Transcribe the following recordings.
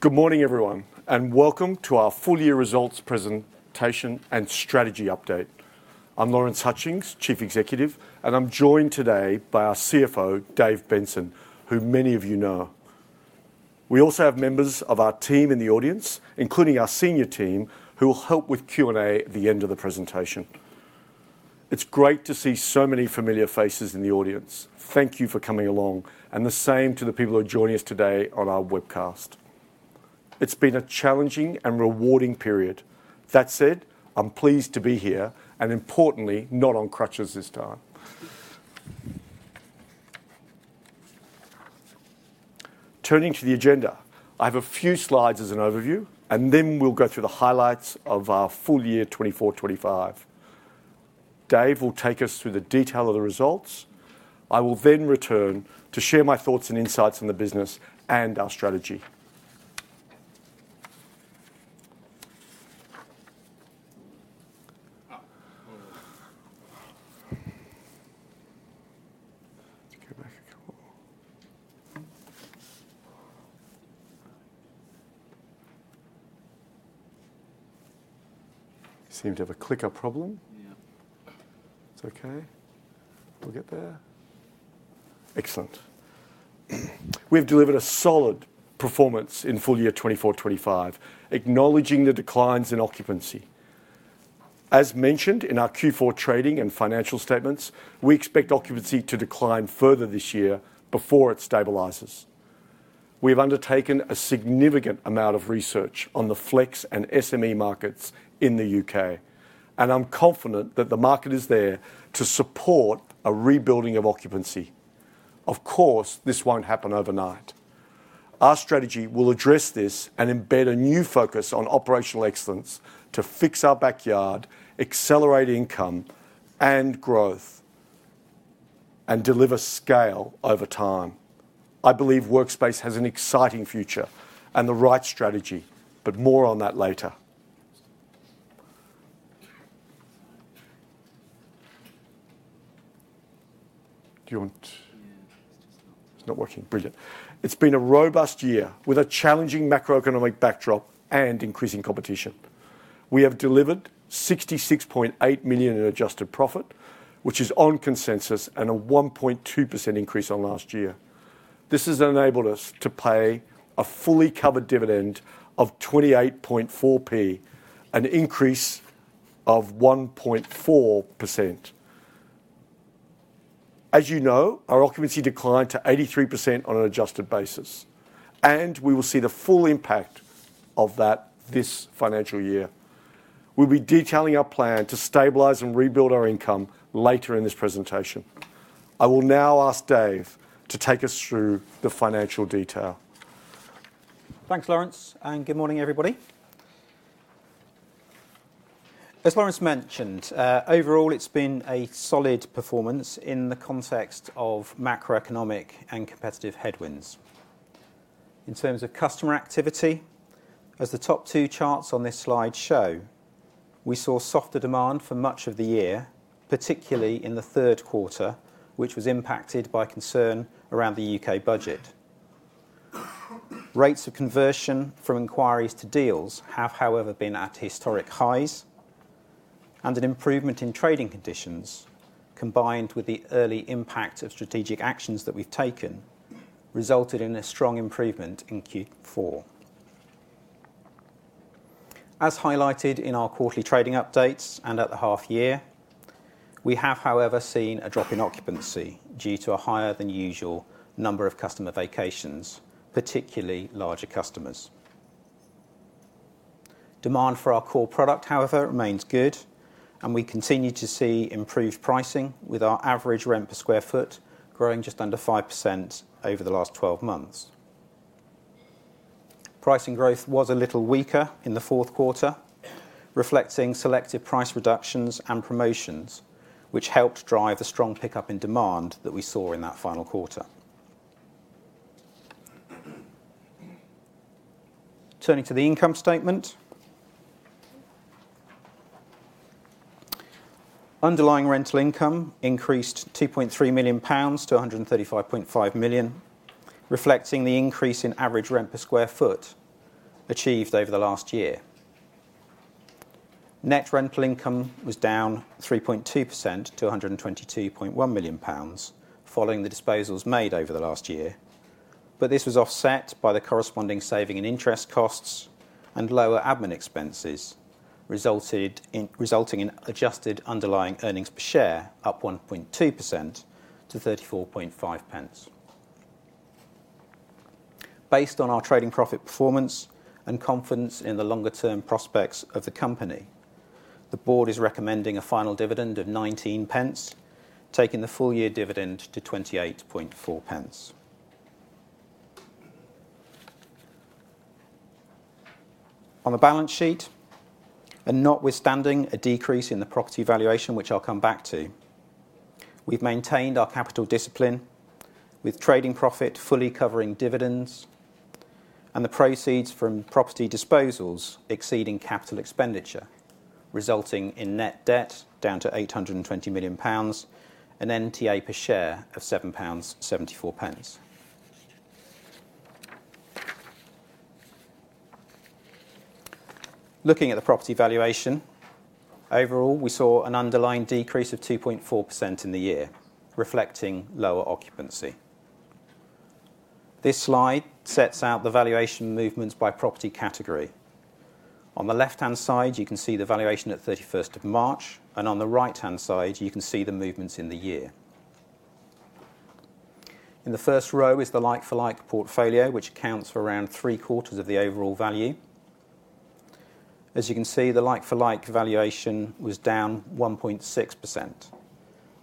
Good morning, everyone, and welcome to our full-year results presentation and strategy update. I'm Lawrence Hutchings, Chief Executive, and I'm joined today by our CFO, Dave Benson, who many of you know. We also have members of our team in the audience, including our senior team, who will help with Q&A at the end of the presentation. It's great to see so many familiar faces in the audience. Thank you for coming along, and the same to the people who are joining us today on our webcast. It's been a challenging and rewarding period. That said, I'm pleased to be here, and importantly, not on crutches this time. Turning to the agenda, I have a few slides as an overview, and then we'll go through the highlights of our full year 2024-2025. Dave will take us through the detail of the results. I will then return to share my thoughts and insights on the business and our strategy. Let's go back a couple more. You seem to have a clicker problem. It's okay. We'll get there. Excellent. We've delivered a solid performance in full year 2024-2025, acknowledging the declines in occupancy. As mentioned in our Q4 trading and financial statements, we expect occupancy to decline further this year before it stabilizes. We have undertaken a significant amount of research on the flex and SME markets in the U.K., and I'm confident that the market is there to support a rebuilding of occupancy. Of course, this won't happen overnight. Our strategy will address this and embed a new focus on operational excellence to fix our backyard, accelerate income and growth, and deliver scale over time. I believe Workspace has an exciting future and the right strategy, but more on that later. Do you want— Yeah, it's just not working. It's not working. Brilliant. It's been a robust year with a challenging macroeconomic backdrop and increasing competition. We have delivered 66.8 million in adjusted profit, which is on consensus, and a 1.2% increase on last year. This has enabled us to pay a fully covered dividend of 0.284, an increase of 1.4%. As you know, our occupancy declined to 83% on an adjusted basis, and we will see the full impact of that this financial year. We'll be detailing our plan to stabilize and rebuild our income later in this presentation. I will now ask Dave to take us through the financial detail. Thanks, Lawrence, and good morning, everybody. As Lawrence mentioned, overall, it's been a solid performance in the context of macroeconomic and competitive headwinds. In terms of customer activity, as the top two charts on this slide show, we saw softer demand for much of the year, particularly in the third quarter, which was impacted by concern around the U.K. budget. Rates of conversion from inquiries to deals have, however, been at historic highs, and an improvement in trading conditions, combined with the early impact of strategic actions that we've taken, resulted in a strong improvement in Q4. As highlighted in our quarterly trading updates and at the half-year, we have, however, seen a drop in occupancy due to a higher-than-usual number of customer vacations, particularly larger customers. Demand for our core product, however, remains good, and we continue to see improved pricing, with our average rent per sq ft growing just under 5% over the last 12 months. Pricing growth was a little weaker in the fourth quarter, reflecting selective price reductions and promotions, which helped drive the strong pickup in demand that we saw in that final quarter. Turning to the income statement, underlying rental income increased 2.3 million pounds to 135.5 million, reflecting the increase in average rent per sq ft achieved over the last year. Net rental income was down 3.2% to 122.1 million pounds following the disposals made over the last year, but this was offset by the corresponding saving in interest costs and lower admin expenses, resulting in adjusted underlying earnings per share up 1.2% to 34.50. Based on our trading profit performance and confidence in the longer-term prospects of the company, the board is recommending a final dividend of 0.19, taking the full-year dividend to 0.284. On the balance sheet, and notwithstanding a decrease in the property valuation, which I'll come back to, we've maintained our capital discipline, with trading profit fully covering dividends and the proceeds from property disposals exceeding capital expenditure, resulting in net debt down to 820 million pounds and NTA per share of 7.74 pounds. Looking at the property valuation, overall, we saw an underlying decrease of 2.4% in the year, reflecting lower occupancy. This slide sets out the valuation movements by property category. On the left-hand side, you can see the valuation at 31st of March, and on the right-hand side, you can see the movements in the year. In the first row is the like-for-like portfolio, which accounts for around three-quarters of the overall value. As you can see, the like-for-like valuation was down 1.6%,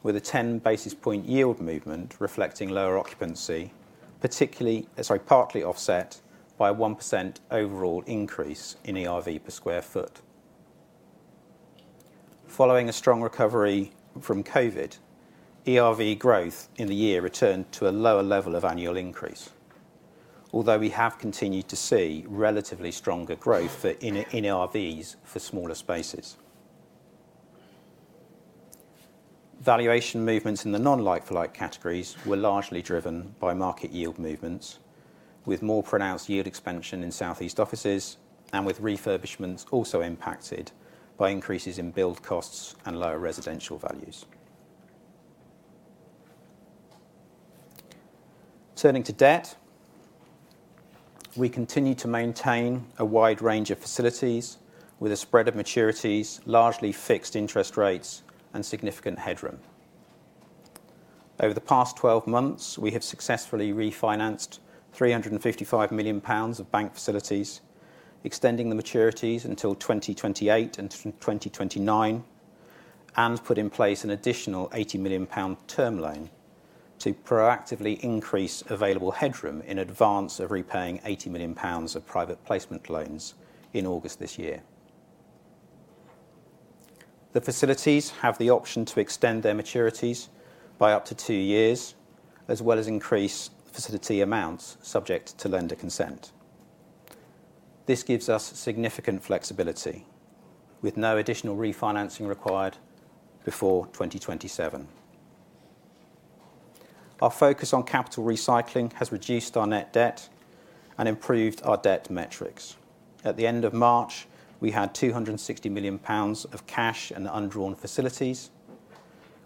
with a 10 basis point yield movement reflecting lower occupancy, particularly—sorry, partly offset by a 1% overall increase in ERV per sq ft. Following a strong recovery from COVID, ERV growth in the year returned to a lower level of annual increase, although we have continued to see relatively stronger growth in ERVs for smaller spaces. Valuation movements in the non-like-for-like categories were largely driven by market yield movements, with more pronounced yield expansion in Southeast offices and with refurbishments also impacted by increases in build costs and lower residential values. Turning to debt, we continue to maintain a wide range of facilities, with a spread of maturities, largely fixed interest rates and significant headroom. Over the past 12 months, we have successfully refinanced 355 million pounds of bank facilities, extending the maturities until 2028 and 2029, and put in place an additional 80 million pound term loan to proactively increase available headroom in advance of repaying 80 million pounds of private placement loans in August this year. The facilities have the option to extend their maturities by up to two years, as well as increase facility amounts subject to lender consent. This gives us significant flexibility, with no additional refinancing required before 2027. Our focus on capital recycling has reduced our net debt and improved our debt metrics. At the end of March, we had 260 million pounds of cash and undrawn facilities,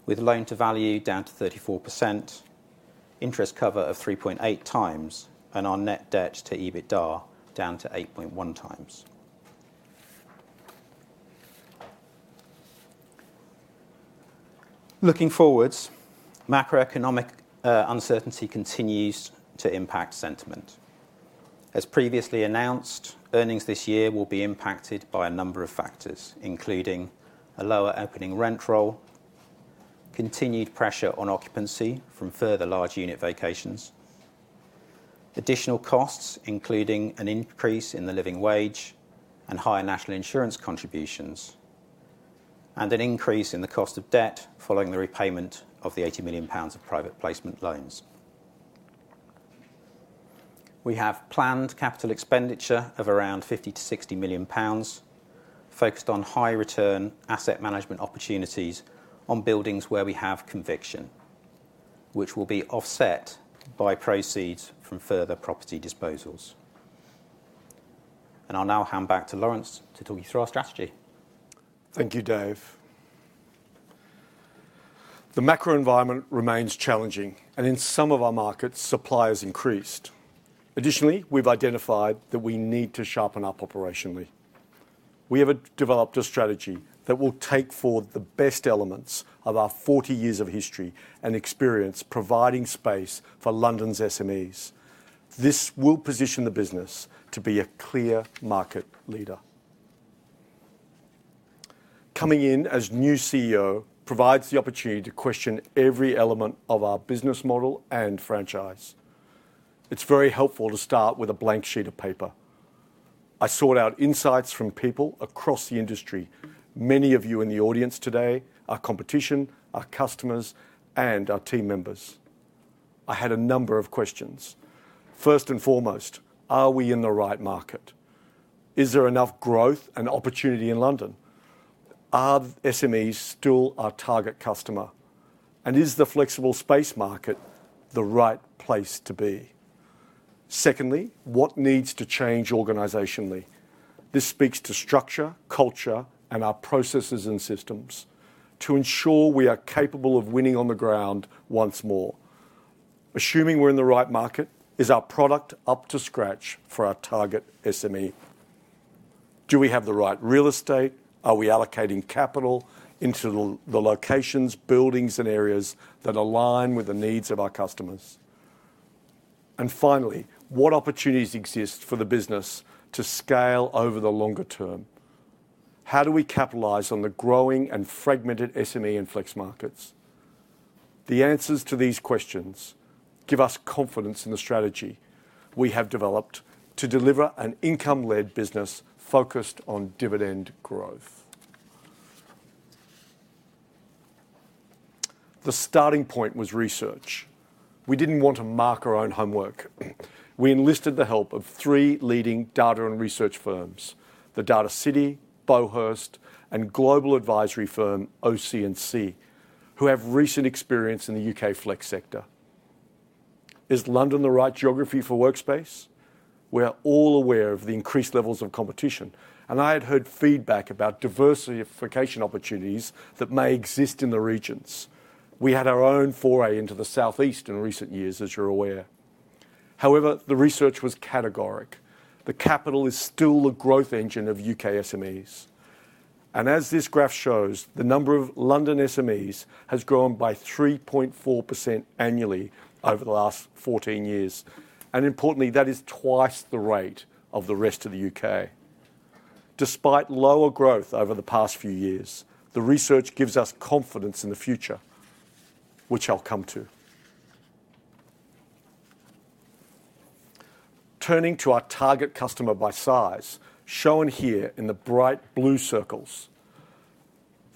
with loan-to-value down to 34%, interest cover of 3.8 times, and our net debt to EBITDA down to 8.1 times. Looking forwards, macroeconomic uncertainty continues to impact sentiment. As previously announced, earnings this year will be impacted by a number of factors, including a lower opening rent roll, continued pressure on occupancy from further large unit vacations, additional costs, including an increase in the living wage and higher National Insurance contributions, and an increase in the cost of debt following the repayment of the 80 million pounds of private placement loans. We have planned capital expenditure of around 50-60 million pounds, focused on high-return asset management opportunities on buildings where we have conviction, which will be offset by proceeds from further property disposals. I'll now hand back to Lawrence to talk you through our strategy. Thank you, Dave. The macro environment remains challenging, and in some of our markets, supply has increased. Additionally, we've identified that we need to sharpen up operationally. We have developed a strategy that will take forward the best elements of our 40 years of history and experience, providing space for London's SMEs. This will position the business to be a clear market leader. Coming in as new CEO provides the opportunity to question every element of our business model and franchise. It's very helpful to start with a blank sheet of paper. I sought out insights from people across the industry, many of you in the audience today, our competition, our customers, and our team members. I had a number of questions. First and foremost, are we in the right market? Is there enough growth and opportunity in London? Are the SMEs still our target customer? Is the flexible space market the right place to be? Secondly, what needs to change organizationally? This speaks to structure, culture, and our processes and systems to ensure we are capable of winning on the ground once more. Assuming we're in the right market, is our product up to scratch for our target SME? Do we have the right real estate? Are we allocating capital into the locations, buildings, and areas that align with the needs of our customers? Finally, what opportunities exist for the business to scale over the longer term? How do we capitalize on the growing and fragmented SME and flex markets? The answers to these questions give us confidence in the strategy we have developed to deliver an income-led business focused on dividend growth. The starting point was research. We did not want to mark our own homework. We enlisted the help of three leading data and research firms: The Data City, Beauhurst, and global advisory firm OC&C, who have recent experience in the U.K. flex sector. Is London the right geography for Workspace? We are all aware of the increased levels of competition, and I had heard feedback about diversification opportunities that may exist in the regions. We had our own foray into the Southeast in recent years, as you're aware. However, the research was categoric. The capital is still the growth engine of U.K. SMEs. As this graph shows, the number of London SMEs has grown by 3.4% annually over the last 14 years. Importantly, that is twice the rate of the rest of the U.K. Despite lower growth over the past few years, the research gives us confidence in the future, which I'll come to. Turning to our target customer by size, shown here in the bright blue circles,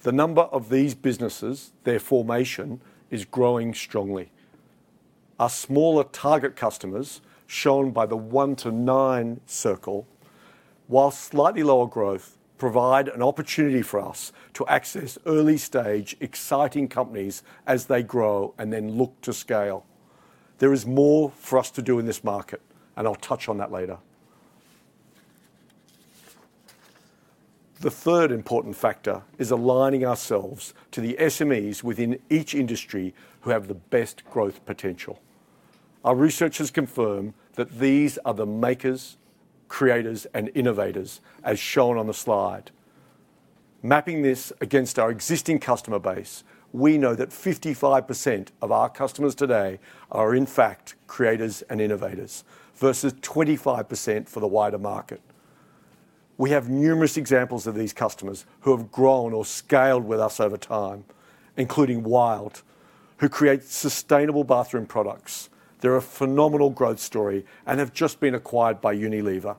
the number of these businesses, their formation, is growing strongly. Our smaller target customers, shown by the 1-9 circle, while slightly lower growth, provide an opportunity for us to access early-stage exciting companies as they grow and then look to scale. There is more for us to do in this market, and I'll touch on that later. The third important factor is aligning ourselves to the SMEs within each industry who have the best growth potential. Our researchers confirm that these are the makers, creators, and innovators, as shown on the slide. Mapping this against our existing customer base, we know that 55% of our customers today are, in fact, creators and innovators, versus 25% for the wider market. We have numerous examples of these customers who have grown or scaled with us over time, including Wild, who creates sustainable bathroom products. They're a phenomenal growth story and have just been acquired by Unilever.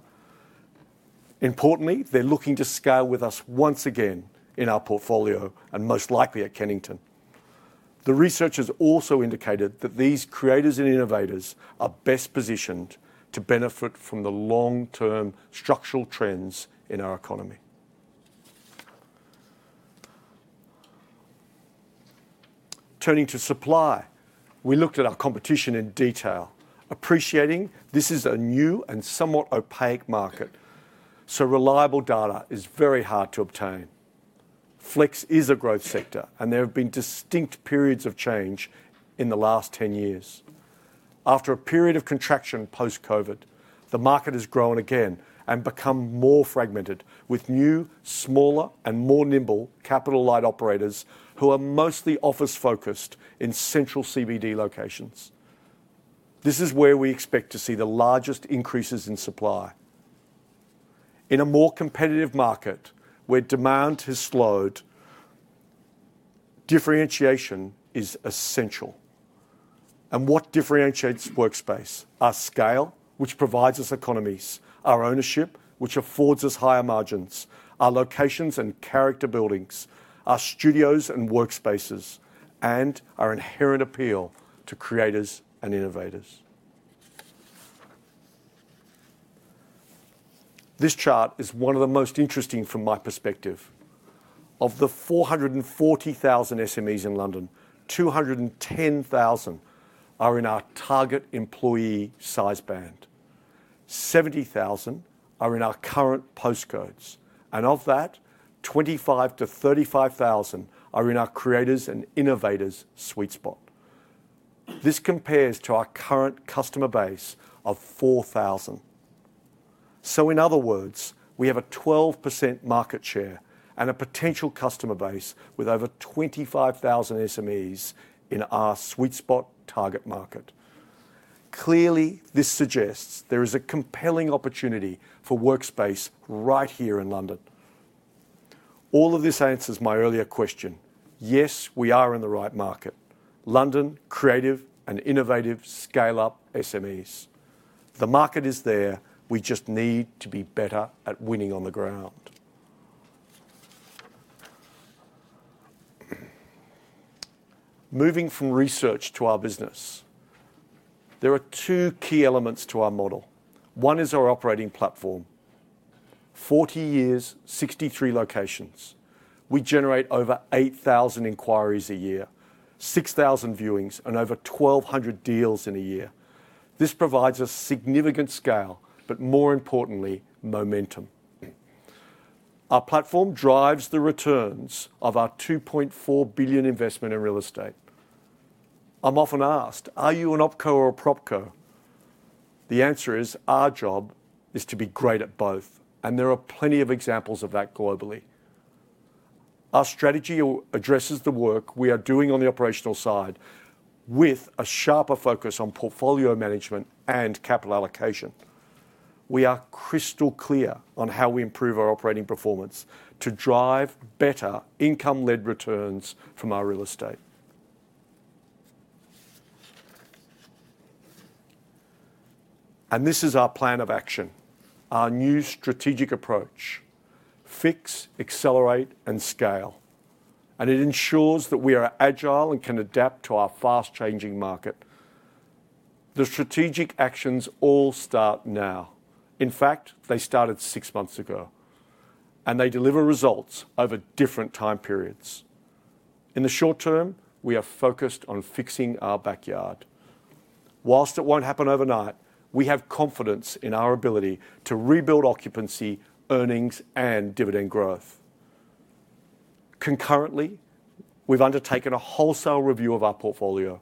Importantly, they're looking to scale with us once again in our portfolio and most likely at Kennington. The researchers also indicated that these creators and innovators are best positioned to benefit from the long-term structural trends in our economy. Turning to supply, we looked at our competition in detail, appreciating this is a new and somewhat opaque market, so reliable data is very hard to obtain. Flex is a growth sector, and there have been distinct periods of change in the last 10 years. After a period of contraction post-COVID, the market has grown again and become more fragmented, with new, smaller, and more nimble capital-light operators who are mostly office-focused in central CBD locations. This is where we expect to see the largest increases in supply. In a more competitive market where demand has slowed, differentiation is essential. What differentiates Workspace? Our scale, which provides us economies, our ownership, which affords us higher margins, our locations and character buildings, our studios and workspaces, and our inherent appeal to creators and innovators. This chart is one of the most interesting from my perspective. Of the 440,000 SMEs in London, 210,000 are in our target employee size band. 70,000 are in our current postcodes. Of that, 25,000-35,000 are in our creators and innovators sweet spot. This compares to our current customer base of 4,000. In other words, we have a 12% market share and a potential customer base with over 25,000 SMEs in our sweet spot target market. Clearly, this suggests there is a compelling opportunity for Workspace right here in London. All of this answers my earlier question. Yes, we are in the right market. London, creative and innovative, scale up SMEs. The market is there. We just need to be better at winning on the ground. Moving from research to our business, there are two key elements to our model. One is our operating platform. Forty years, 63 locations. We generate over 8,000 inquiries a year, 6,000 viewings, and over 1,200 deals in a year. This provides us significant scale, but more importantly, momentum. Our platform drives the returns of our 2.4 billion investment in real estate. I'm often asked, "Are you an OpCo or a PropCo?" The answer is our job is to be great at both, and there are plenty of examples of that globally. Our strategy addresses the work we are doing on the operational side with a sharper focus on portfolio management and capital allocation. We are crystal clear on how we improve our operating performance to drive better income-led returns from our real estate. This is our plan of action, our new strategic approach: fix, accelerate, and scale. It ensures that we are agile and can adapt to our fast-changing market. The strategic actions all start now. In fact, they started six months ago, and they deliver results over different time periods. In the short term, we are focused on fixing our backyard. Whilst it will not happen overnight, we have confidence in our ability to rebuild occupancy, earnings, and dividend growth. Concurrently, we have undertaken a wholesale review of our portfolio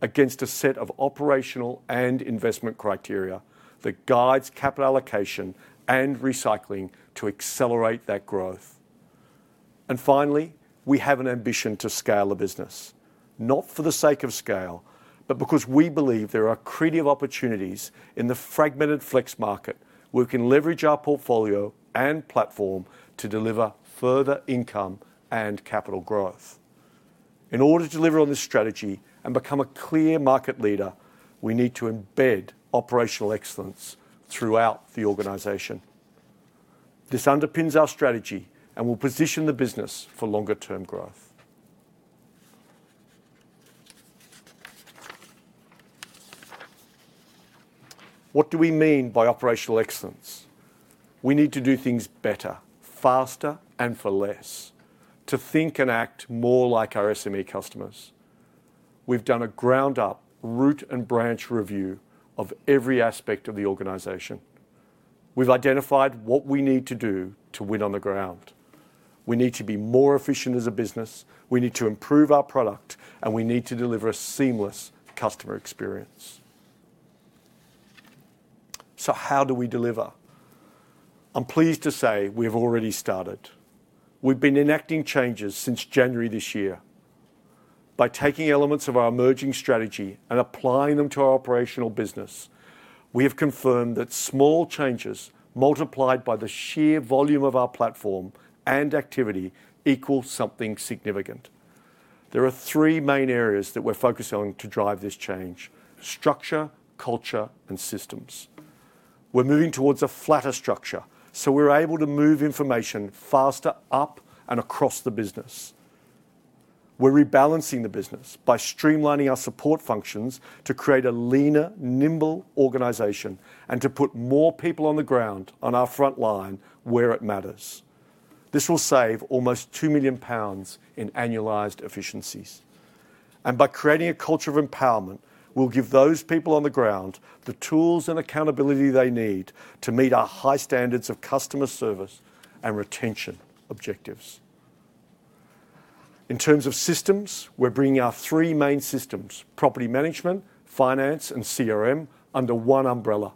against a set of operational and investment criteria that guides capital allocation and recycling to accelerate that growth. We have an ambition to scale the business, not for the sake of scale, but because we believe there are creative opportunities in the fragmented flex market where we can leverage our portfolio and platform to deliver further income and capital growth. In order to deliver on this strategy and become a clear market leader, we need to embed operational excellence throughout the organization. This underpins our strategy and will position the business for longer-term growth. What do we mean by operational excellence? We need to do things better, faster, and for less, to think and act more like our SME customers. We've done a ground-up root and branch review of every aspect of the organization. We've identified what we need to do to win on the ground. We need to be more efficient as a business. We need to improve our product, and we need to deliver a seamless customer experience. How do we deliver? I'm pleased to say we have already started. We've been enacting changes since January this year. By taking elements of our emerging strategy and applying them to our operational business, we have confirmed that small changes multiplied by the sheer volume of our platform and activity equal something significant. There are three main areas that we're focusing on to drive this change: structure, culture, and systems. We're moving towards a flatter structure, so we're able to move information faster, up, and across the business. We're rebalancing the business by streamlining our support functions to create a leaner, nimble organization and to put more people on the ground on our front line where it matters. This will save almost 2 million pounds in annualized efficiencies. By creating a culture of empowerment, we will give those people on the ground the tools and accountability they need to meet our high standards of customer service and retention objectives. In terms of systems, we are bringing our three main systems: property management, finance, and CRM under one umbrella,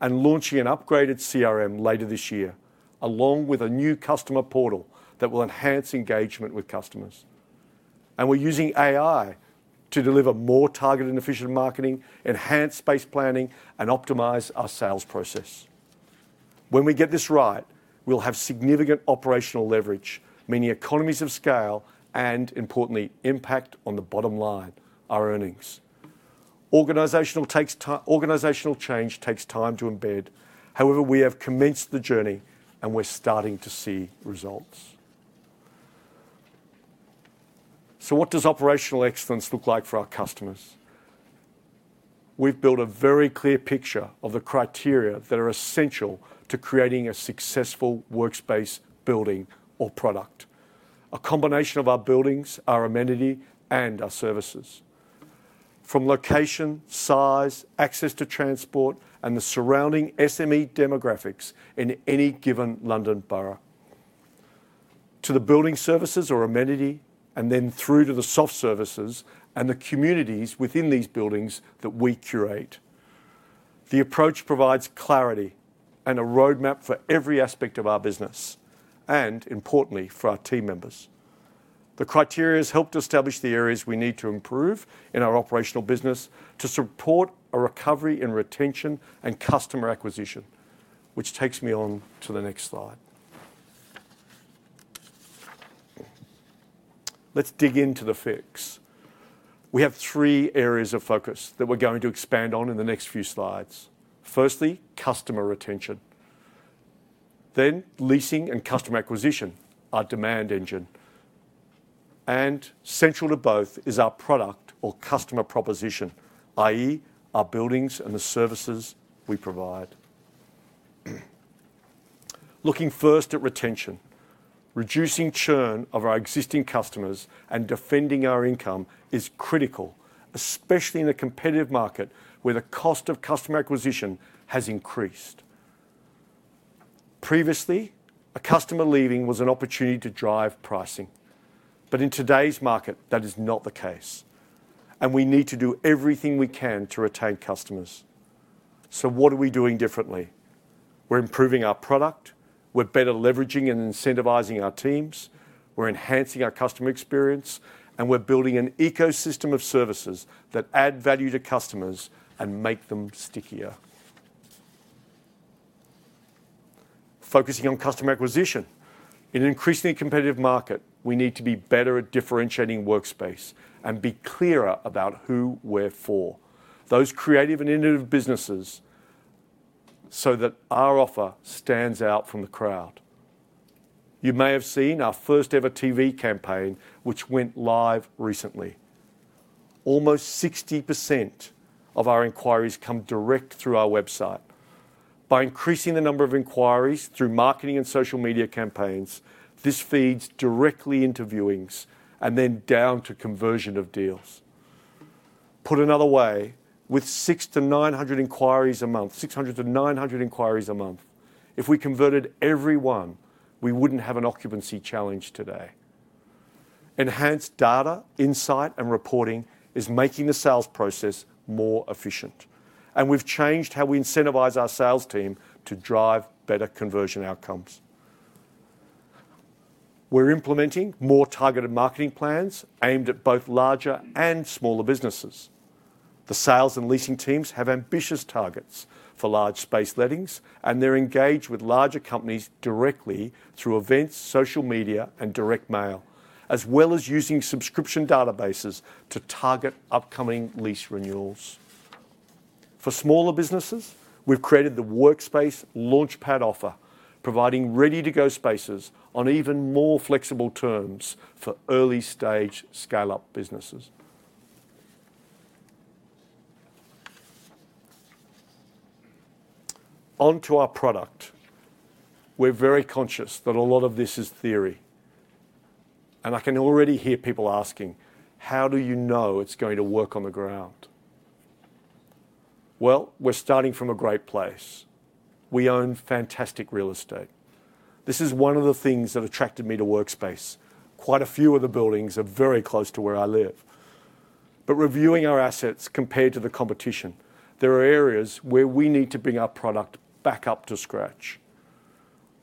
and launching an upgraded CRM later this year, along with a new customer portal that will enhance engagement with customers. We are using AI to deliver more targeted and efficient marketing, enhance space planning, and optimize our sales process. When we get this right, we will have significant operational leverage, meaning economies of scale and, importantly, impact on the bottom line, our earnings. Organizational change takes time to embed. However, we have commenced the journey, and we are starting to see results. What does operational excellence look like for our customers? We've built a very clear picture of the criteria that are essential to creating a successful workspace building or product: a combination of our buildings, our amenity, and our services. From location, size, access to transport, and the surrounding SME demographics in any given London borough, to the building services or amenity, and then through to the soft services and the communities within these buildings that we curate. The approach provides clarity and a roadmap for every aspect of our business and, importantly, for our team members. The criteria has helped establish the areas we need to improve in our operational business to support a recovery in retention and customer acquisition, which takes me on to the next slide. Let's dig into the fix. We have three areas of focus that we're going to expand on in the next few slides. Firstly, customer retention. Leasing and customer acquisition, our demand engine. Central to both is our product or customer proposition, i.e., our buildings and the services we provide. Looking first at retention, reducing churn of our existing customers and defending our income is critical, especially in a competitive market where the cost of customer acquisition has increased. Previously, a customer leaving was an opportunity to drive pricing. In today's market, that is not the case. We need to do everything we can to retain customers. What are we doing differently? We're improving our product. We're better leveraging and incentivizing our teams. We're enhancing our customer experience, and we're building an ecosystem of services that add value to customers and make them stickier. Focusing on customer acquisition. In an increasingly competitive market, we need to be better at differentiating Workspace and be clearer about who, where, for those creative and innovative businesses so that our offer stands out from the crowd. You may have seen our first-ever TV campaign, which went live recently. Almost 60% of our inquiries come direct through our website. By increasing the number of inquiries through marketing and social media campaigns, this feeds directly into viewings and then down to conversion of deals. Put another way, with 600-900 inquiries a month, if we converted everyone, we would not have an occupancy challenge today. Enhanced data, insight, and reporting is making the sales process more efficient. We have changed how we incentivize our sales team to drive better conversion outcomes. We are implementing more targeted marketing plans aimed at both larger and smaller businesses. The sales and leasing teams have ambitious targets for large space lettings, and they're engaged with larger companies directly through events, social media, and direct mail, as well as using subscription databases to target upcoming lease renewals. For smaller businesses, we've created the Workspace Launchpad offer, providing ready-to-go spaces on even more flexible terms for early-stage scale-up businesses. Onto our product. We're very conscious that a lot of this is theory. I can already hear people asking, "How do you know it's going to work on the ground?" We're starting from a great place. We own fantastic real estate. This is one of the things that attracted me to Workspace. Quite a few of the buildings are very close to where I live. Reviewing our assets compared to the competition, there are areas where we need to bring our product back up to scratch.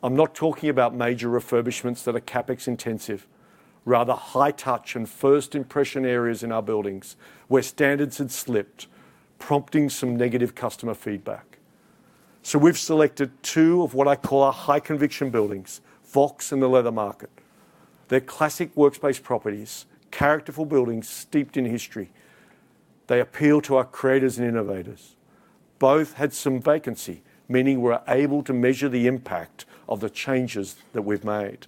I'm not talking about major refurbishments that are CapEx-intensive, rather high-touch and first-impression areas in our buildings where standards had slipped, prompting some negative customer feedback. We have selected two of what I call our high-conviction buildings: Vox and the Leather Market. They are classic Workspace properties, characterful buildings steeped in history. They appeal to our creators and innovators. Both had some vacancy, meaning we are able to measure the impact of the changes that we have made.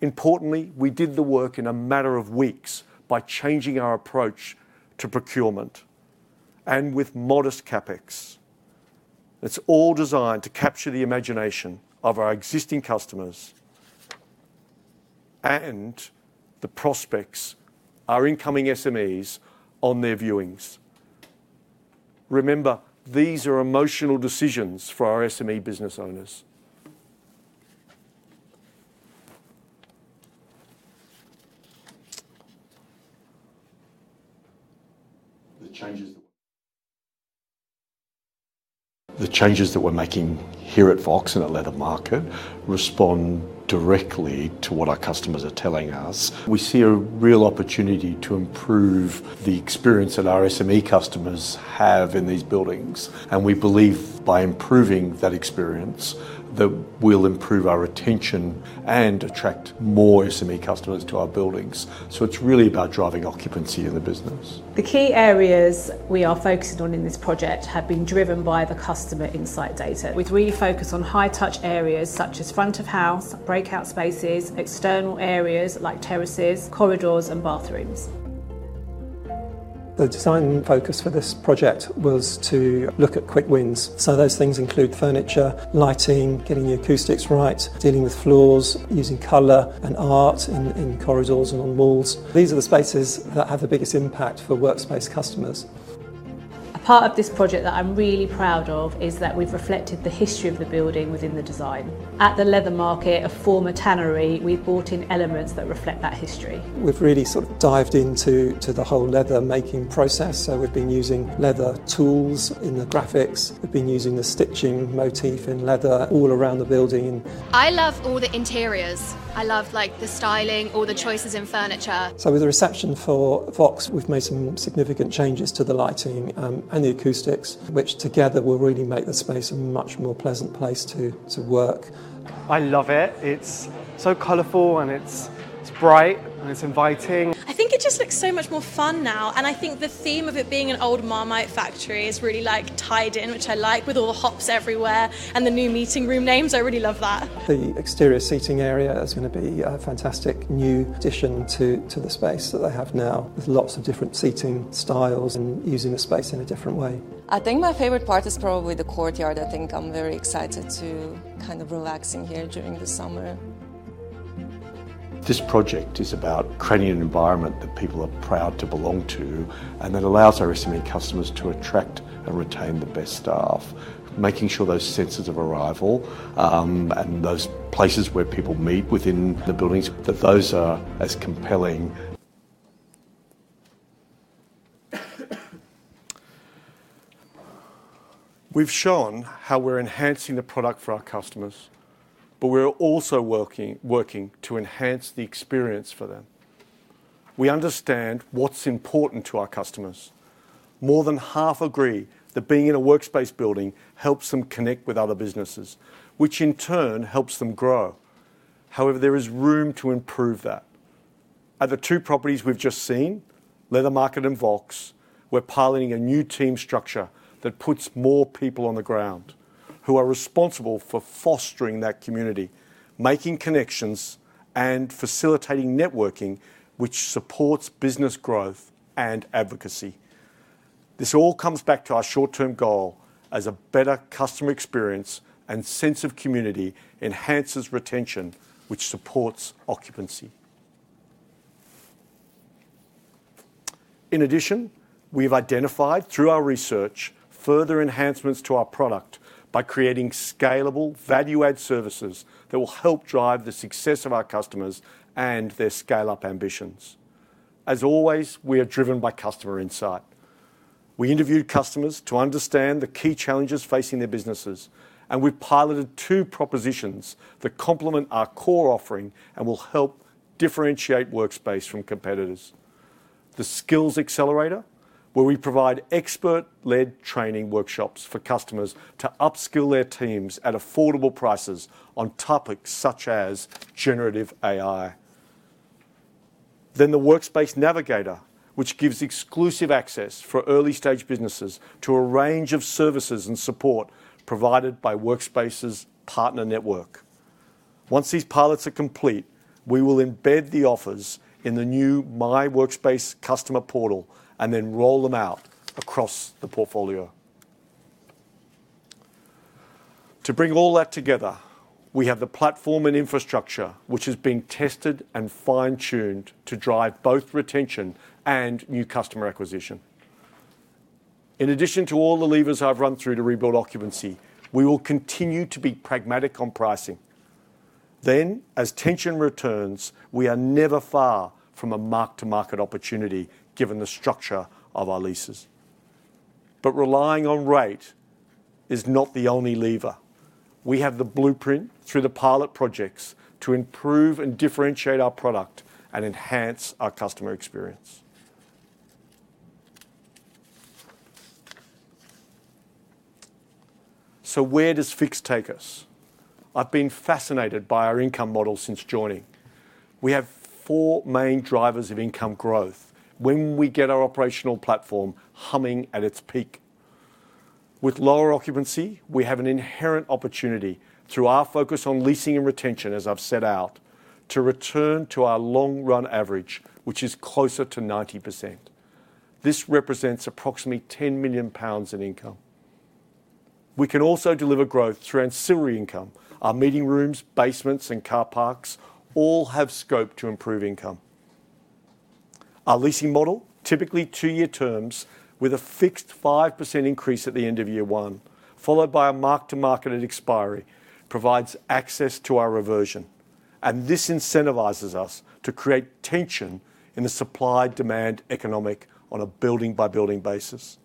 Importantly, we did the work in a matter of weeks by changing our approach to procurement and with modest CapEx. It is all designed to capture the imagination of our existing customers and the prospects, our incoming SMEs, on their viewings. Remember, these are emotional decisions for our SME business owners. The changes that we are making here at Vox and the Leather Market respond directly to what our customers are telling us. We see a real opportunity to improve the experience that our SME customers have in these buildings. We believe by improving that experience that we'll improve our retention and attract more SME customers to our buildings. It is really about driving occupancy in the business. The key areas we are focusing on in this project have been driven by the customer insight data. We've really focused on high-touch areas such as front-of-house, breakout spaces, external areas like terraces, corridors, and bathrooms. The design focus for this project was to look at quick wins. Those things include furniture, lighting, getting the acoustics right, dealing with floors, using color and art in corridors and on walls. These are the spaces that have the biggest impact for Workspace customers. A part of this project that I'm really proud of is that we've reflected the history of the building within the design. At the Leather Market, a former tannery, we've brought in elements that reflect that history. We've really sort of dived into the whole leather-making process. We've been using leather tools in the graphics. We've been using the stitching motif in leather all around the building. I love all the interiors. I love the styling, all the choices in furniture. With the reception for Vox, we've made some significant changes to the lighting and the acoustics, which together will really make the space a much more pleasant place to work. I love it. It's so colorful, and it's bright, and it's inviting. I think it just looks so much more fun now. I think the theme of it being an old Marmite factory is really tied in, which I like, with all the hops everywhere and the new meeting room names. I really love that. The exterior seating area is going to be a fantastic new addition to the space that they have now, with lots of different seating styles and using the space in a different way. I think my favorite part is probably the courtyard. I think I'm very excited to kind of relax in here during the summer. This project is about creating an environment that people are proud to belong to and that allows our SME customers to attract and retain the best staff. Making sure those senses of arrival and those places where people meet within the buildings, that those are as compelling. We've shown how we're enhancing the product for our customers, but we're also working to enhance the experience for them. We understand what's important to our customers. More than half agree that being in a Workspace building helps them connect with other businesses, which in turn helps them grow. However, there is room to improve that. At the two properties we've just seen, Leather Market and Vox, we're piloting a new team structure that puts more people on the ground who are responsible for fostering that community, making connections, and facilitating networking, which supports business growth and advocacy. This all comes back to our short-term goal as a better customer experience and sense of community enhances retention, which supports occupancy. In addition, we've identified, through our research, further enhancements to our product by creating scalable value-add services that will help drive the success of our customers and their scale-up ambitions. As always, we are driven by customer insight. We interviewed customers to understand the key challenges facing their businesses, and we've piloted two propositions that complement our core offering and will help differentiate Workspace from competitors: the Skills Accelerator, where we provide expert-led training workshops for customers to upskill their teams at affordable prices on topics such as generative AI. Then the Workspace Navigator, which gives exclusive access for early-stage businesses to a range of services and support provided by Workspace's partner network. Once these pilots are complete, we will embed the offers in the new My Workspace customer portal and then roll them out across the portfolio. To bring all that together, we have the platform and infrastructure, which has been tested and fine-tuned to drive both retention and new customer acquisition. In addition to all the levers I've run through to rebuild occupancy, we will continue to be pragmatic on pricing. As tension returns, we are never far from a mark-to-market opportunity given the structure of our leases. Relying on rate is not the only lever. We have the blueprint through the pilot projects to improve and differentiate our product and enhance our customer experience. Where does fix take us? I've been fascinated by our income model since joining. We have four main drivers of income growth when we get our operational platform humming at its peak. With lower occupancy, we have an inherent opportunity through our focus on leasing and retention, as I've set out, to return to our long-run average, which is closer to 90%. This represents approximately 10 million pounds in income. We can also deliver growth through ancillary income. Our meeting rooms, basements, and car parks all have scope to improve income. Our leasing model, typically two-year terms with a fixed 5% increase at the end of year one, followed by a mark-to-market at expiry, provides access to our reversion. This incentivizes us to create tension in the supply-demand economic on a building-by-building basis.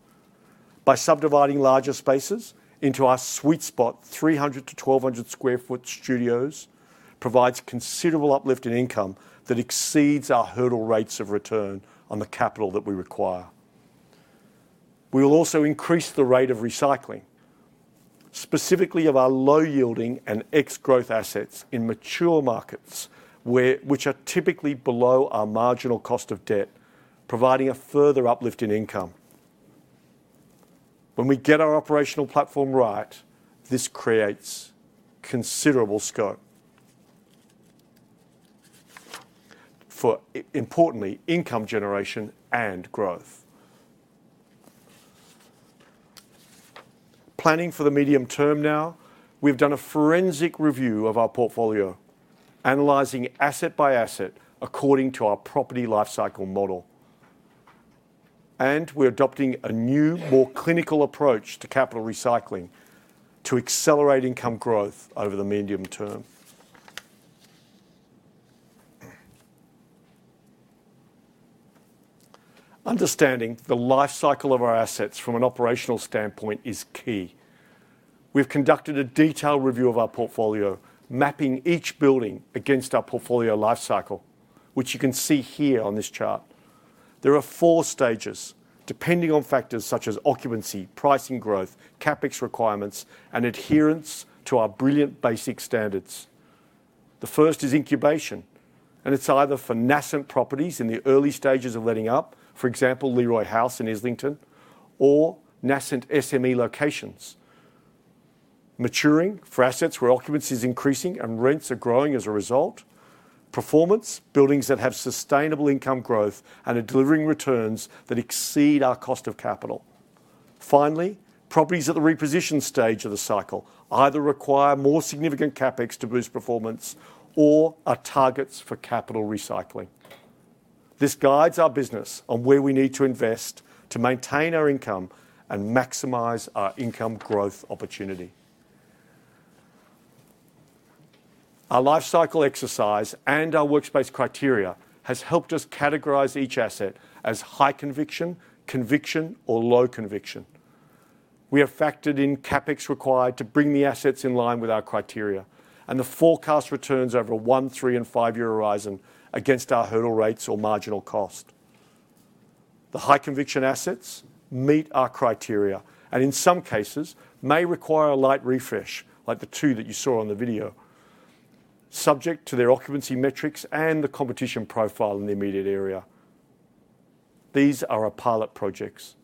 By subdividing larger spaces into our sweet spot, 300-1,200 sq ft studios, it provides a considerable uplift in income that exceeds our hurdle rates of return on the capital that we require. We will also increase the rate of recycling, specifically of our low-yielding and ex-growth assets in mature markets, which are typically below our marginal cost of debt, providing a further uplift in income. When we get our operational platform right, this creates considerable scope for, importantly, income generation and growth. Planning for the medium term now, we have done a forensic review of our portfolio, analyzing asset by asset according to our property lifecycle model. We are adopting a new, more clinical approach to capital recycling to accelerate income growth over the medium term. Understanding the lifecycle of our assets from an operational standpoint is key. We have conducted a detailed review of our portfolio, mapping each building against our portfolio lifecycle, which you can see here on this chart. There are four stages, depending on factors such as occupancy, pricing growth, CapEx requirements, and adherence to our brilliant basic standards. The first is incubation, and it is either for nascent properties in the early stages of letting up, for example, Leroy House in Islington, or nascent SME locations. Maturing for assets where occupancy is increasing and rents are growing as a result. Performance, buildings that have sustainable income growth and are delivering returns that exceed our cost of capital. Finally, properties at the reposition stage of the cycle either require more significant CapEx to boost performance or are targets for capital recycling. This guides our business on where we need to invest to maintain our income and maximize our income growth opportunity. Our lifecycle exercise and our workspace criteria has helped us categorize each asset as high conviction, conviction, or low conviction. We have factored in CapEx required to bring the assets in line with our criteria, and the forecast returns over a one, three, and five-year horizon against our hurdle rates or marginal cost. The high conviction assets meet our criteria and, in some cases, may require a light refresh, like the two that you saw on the video, subject to their occupancy metrics and the competition profile in the immediate area. These are our pilot projects.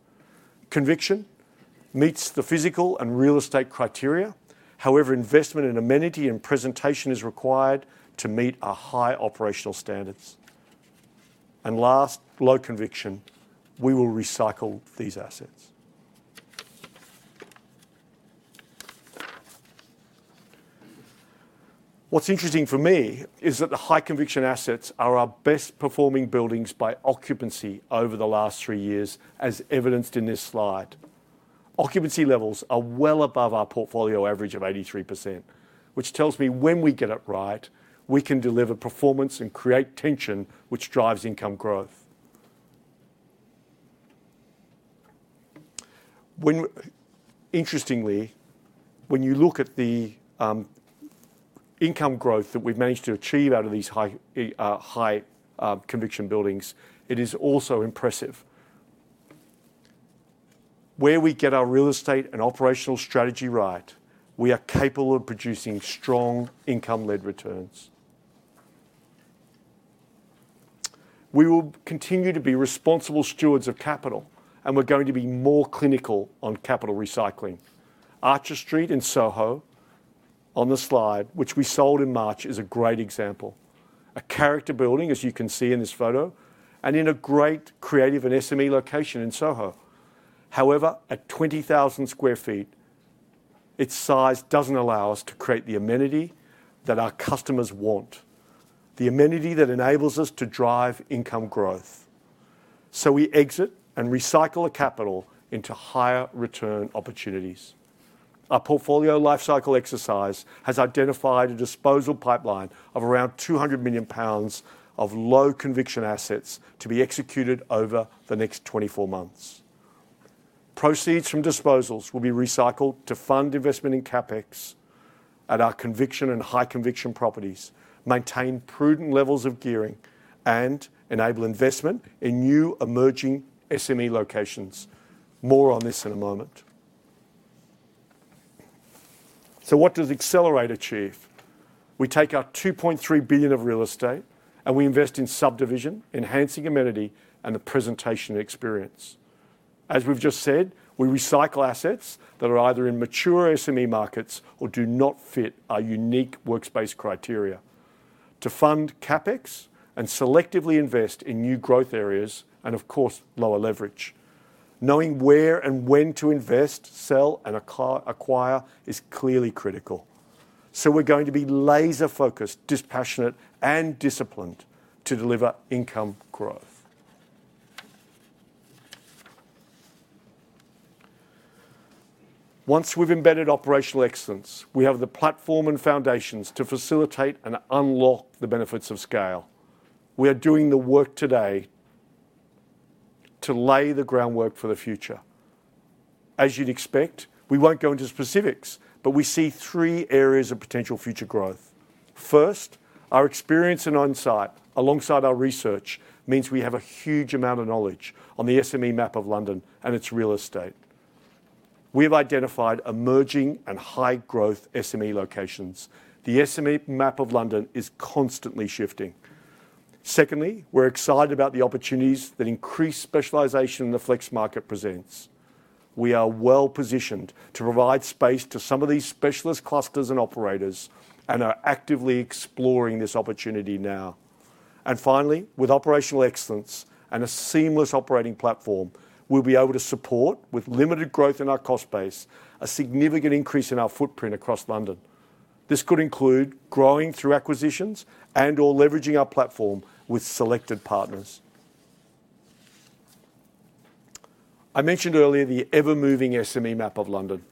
Conviction meets the physical and real estate criteria. However, investment in amenity and presentation is required to meet our high operational standards. Last, low conviction. We will recycle these assets. What's interesting for me is that the high conviction assets are our best-performing buildings by occupancy over the last three years, as evidenced in this slide. Occupancy levels are well above our portfolio average of 83%, which tells me when we get it right, we can deliver performance and create tension, which drives income growth. Interestingly, when you look at the income growth that we've managed to achieve out of these high conviction buildings, it is also impressive. Where we get our real estate and operational strategy right, we are capable of producing strong income-led returns. We will continue to be responsible stewards of capital, and we are going to be more clinical on capital recycling. Archer Street in Soho on the slide, which we sold in March, is a great example. A character building, as you can see in this photo, and in a great creative and SME location in Soho. However, at 20,000 sq ft, its size does not allow us to create the amenity that our customers want, the amenity that enables us to drive income growth. We exit and recycle the capital into higher return opportunities. Our portfolio lifecycle exercise has identified a disposal pipeline of around 200 million pounds of low conviction assets to be executed over the next 24 months. Proceeds from disposals will be recycled to fund investment in CapEx at our conviction and high conviction properties, maintain prudent levels of gearing, and enable investment in new emerging SME locations. More on this in a moment. What does Accelerate achieve? We take our 2.3 billion of real estate, and we invest in subdivision, enhancing amenity, and the presentation experience. As we have just said, we recycle assets that are either in mature SME markets or do not fit our unique workspace criteria to fund CapEx and selectively invest in new growth areas and, of course, lower leverage. Knowing where and when to invest, sell, and acquire is clearly critical. We are going to be laser-focused, dispassionate, and disciplined to deliver income growth. Once we've embedded operational excellence, we have the platform and foundations to facilitate and unlock the benefits of scale. We are doing the work today to lay the groundwork for the future. As you'd expect, we won't go into specifics, but we see three areas of potential future growth. First, our experience and on-site alongside our research means we have a huge amount of knowledge on the SME map of London and its real estate. We have identified emerging and high-growth SME locations. The SME map of London is constantly shifting. Secondly, we're excited about the opportunities that increased specialization in the flex market presents. We are well-positioned to provide space to some of these specialist clusters and operators and are actively exploring this opportunity now. Finally, with operational excellence and a seamless operating platform, we'll be able to support, with limited growth in our cost base, a significant increase in our footprint across London. This could include growing through acquisitions and/or leveraging our platform with selected partners. I mentioned earlier the ever-moving SME map of London.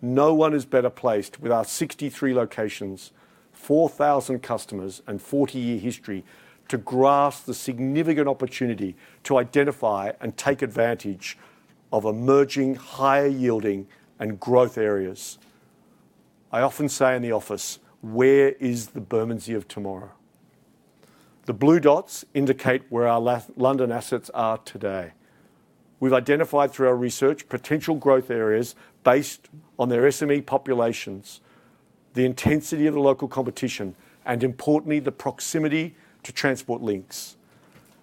No one is better placed with our 63 locations, 4,000 customers, and 40-year history to grasp the significant opportunity to identify and take advantage of emerging, higher-yielding, and growth areas. I often say in the office, "Where is the Bermondsey of tomorrow?" The blue dots indicate where our London assets are today. We've identified, through our research, potential growth areas based on their SME populations, the intensity of the local competition, and, importantly, the proximity to transport links.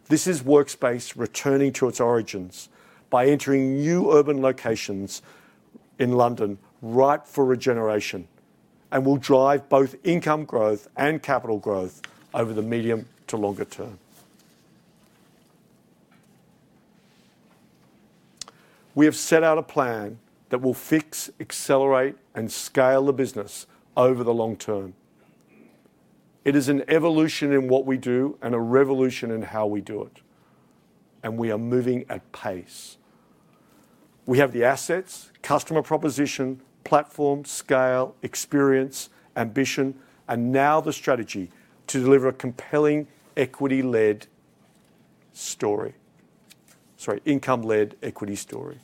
This is Workspace returning to its origins by entering new urban locations in London ripe for regeneration and will drive both income growth and capital growth over the medium to longer term. We have set out a plan that will fix, accelerate, and scale the business over the long term. It is an evolution in what we do and a revolution in how we do it, and we are moving at pace. We have the assets, customer proposition, platform, scale, experience, ambition, and now the strategy to deliver a compelling equity-led story, sorry, income-led equity story.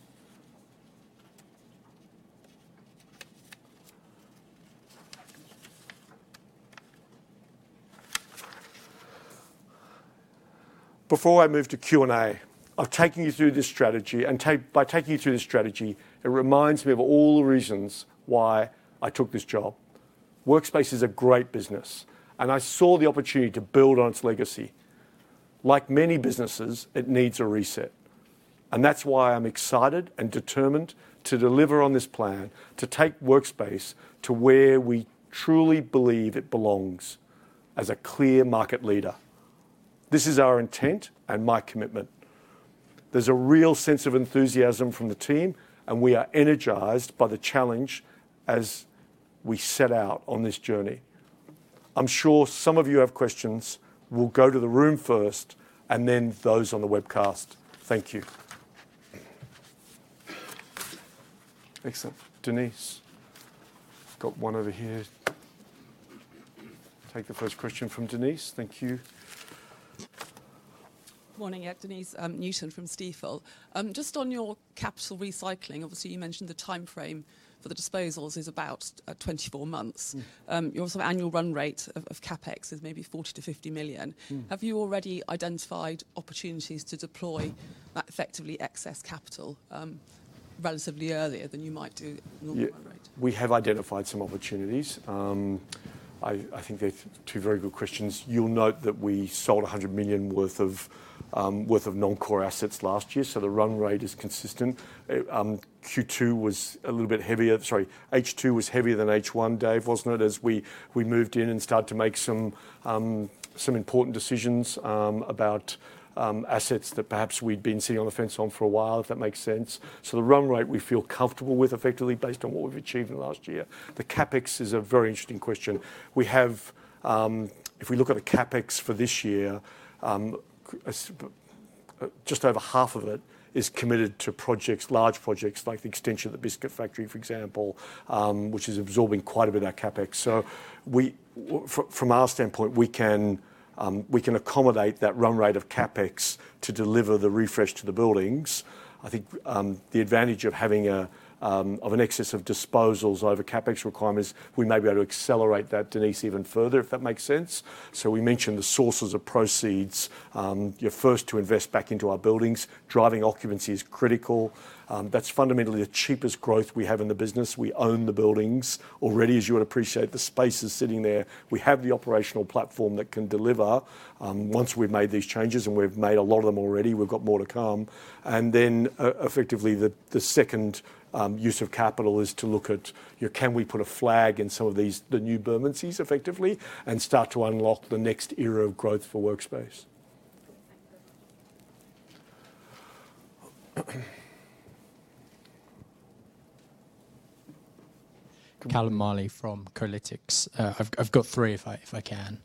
Before I move to Q&A, I've taken you through this strategy, and by taking you through this strategy, it reminds me of all the reasons why I took this job. Workspace is a great business, and I saw the opportunity to build on its legacy. Like many businesses, it needs a reset, and that's why I'm excited and determined to deliver on this plan, to take Workspace to where we truly believe it belongs as a clear market leader. This is our intent and my commitment. There's a real sense of enthusiasm from the team, and we are energized by the challenge as we set out on this journey. I'm sure some of you have questions. We'll go to the room first and then those on the webcast. Thank you. Excellent. Denise, got one over here. Take the first question from Denise. Thank you. Morning, Denese Newton from Stifel. Just on your capital recycling, obviously, you mentioned the timeframe for the disposals is about 24 months. Your sort of annual run rate of CapEx is maybe 40 million-50 million. Have you already identified opportunities to deploy that effectively excess capital relatively earlier than you might do normally? We have identified some opportunities. I think they are two very good questions. You will note that we sold 100 million worth of non-core assets last year, so the run rate is consistent. H2 was heavier than H1, Dave, was it not? As we moved in and started to make some important decisions about assets that perhaps we had been sitting on the fence on for a while, if that makes sense. The run rate we feel comfortable with effectively based on what we have achieved in the last year. The CapEx is a very interesting question. If we look at the CapEx for this year, just over half of it is committed to projects, large projects like the extension of the Biscuit Factory, for example, which is absorbing quite a bit of our CapEx. From our standpoint, we can accommodate that run rate of CapEx to deliver the refresh to the buildings. I think the advantage of having an excess of disposals over CapEx requirements is we may be able to accelerate that, Denise, even further, if that makes sense. We mentioned the sources of proceeds. You are first to invest back into our buildings. Driving occupancy is critical. That is fundamentally the cheapest growth we have in the business. We own the buildings already, as you would appreciate. The space is sitting there. We have the operational platform that can deliver once we have made these changes, and we have made a lot of them already. We've got more to come. The second use of capital is to look at, can we put a flag in some of the new Bermondseys effectively and start to unlock the next era of growth for Workspace? Callum Marley from Kolytics. I've got three if I can.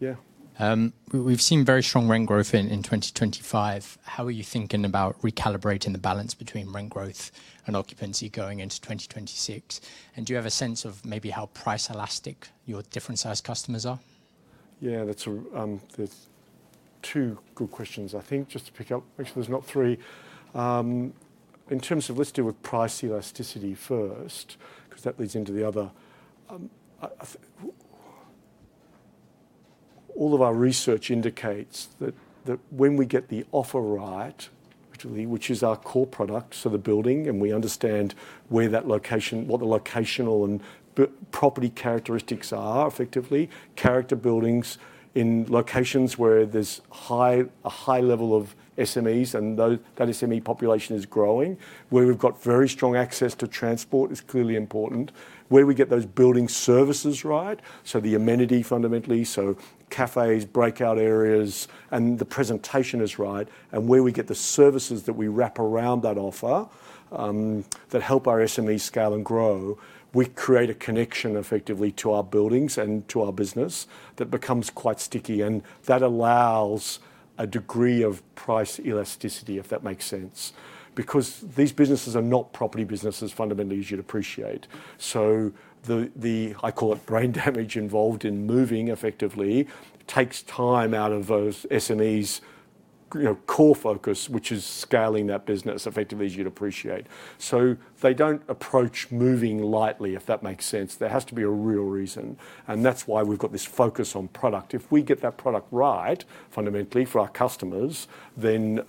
We've seen very strong rent growth in 2025. How are you thinking about recalibrating the balance between rent growth and occupancy going into 2026? And do you have a sense of maybe how price elastic your different-sized customers are? Yeah, that's two good questions, I think, just to pick up, make sure there's not three. In terms of let's deal with price elasticity first, because that leads into the other—all of our research indicates that when we get the offer right, which is our core product, so the building, and we understand where that location, what the locational and property characteristics are effectively, character buildings in locations where there's a high level of SMEs and that SME population is growing, where we've got very strong access to transport is clearly important. Where we get those building services right, so the amenity fundamentally, so cafés, breakout areas, and the presentation is right, and where we get the services that we wrap around that offer that help our SMEs scale and grow, we create a connection effectively to our buildings and to our business that becomes quite sticky. That allows a degree of price elasticity, if that makes sense, because these businesses are not property businesses fundamentally, as you'd appreciate. The, I call it, brain damage involved in moving effectively takes time out of those SMEs' core focus, which is scaling that business effectively, as you'd appreciate. They do not approach moving lightly, if that makes sense. There has to be a real reason, and that is why we have got this focus on product. If we get that product right fundamentally for our customers, then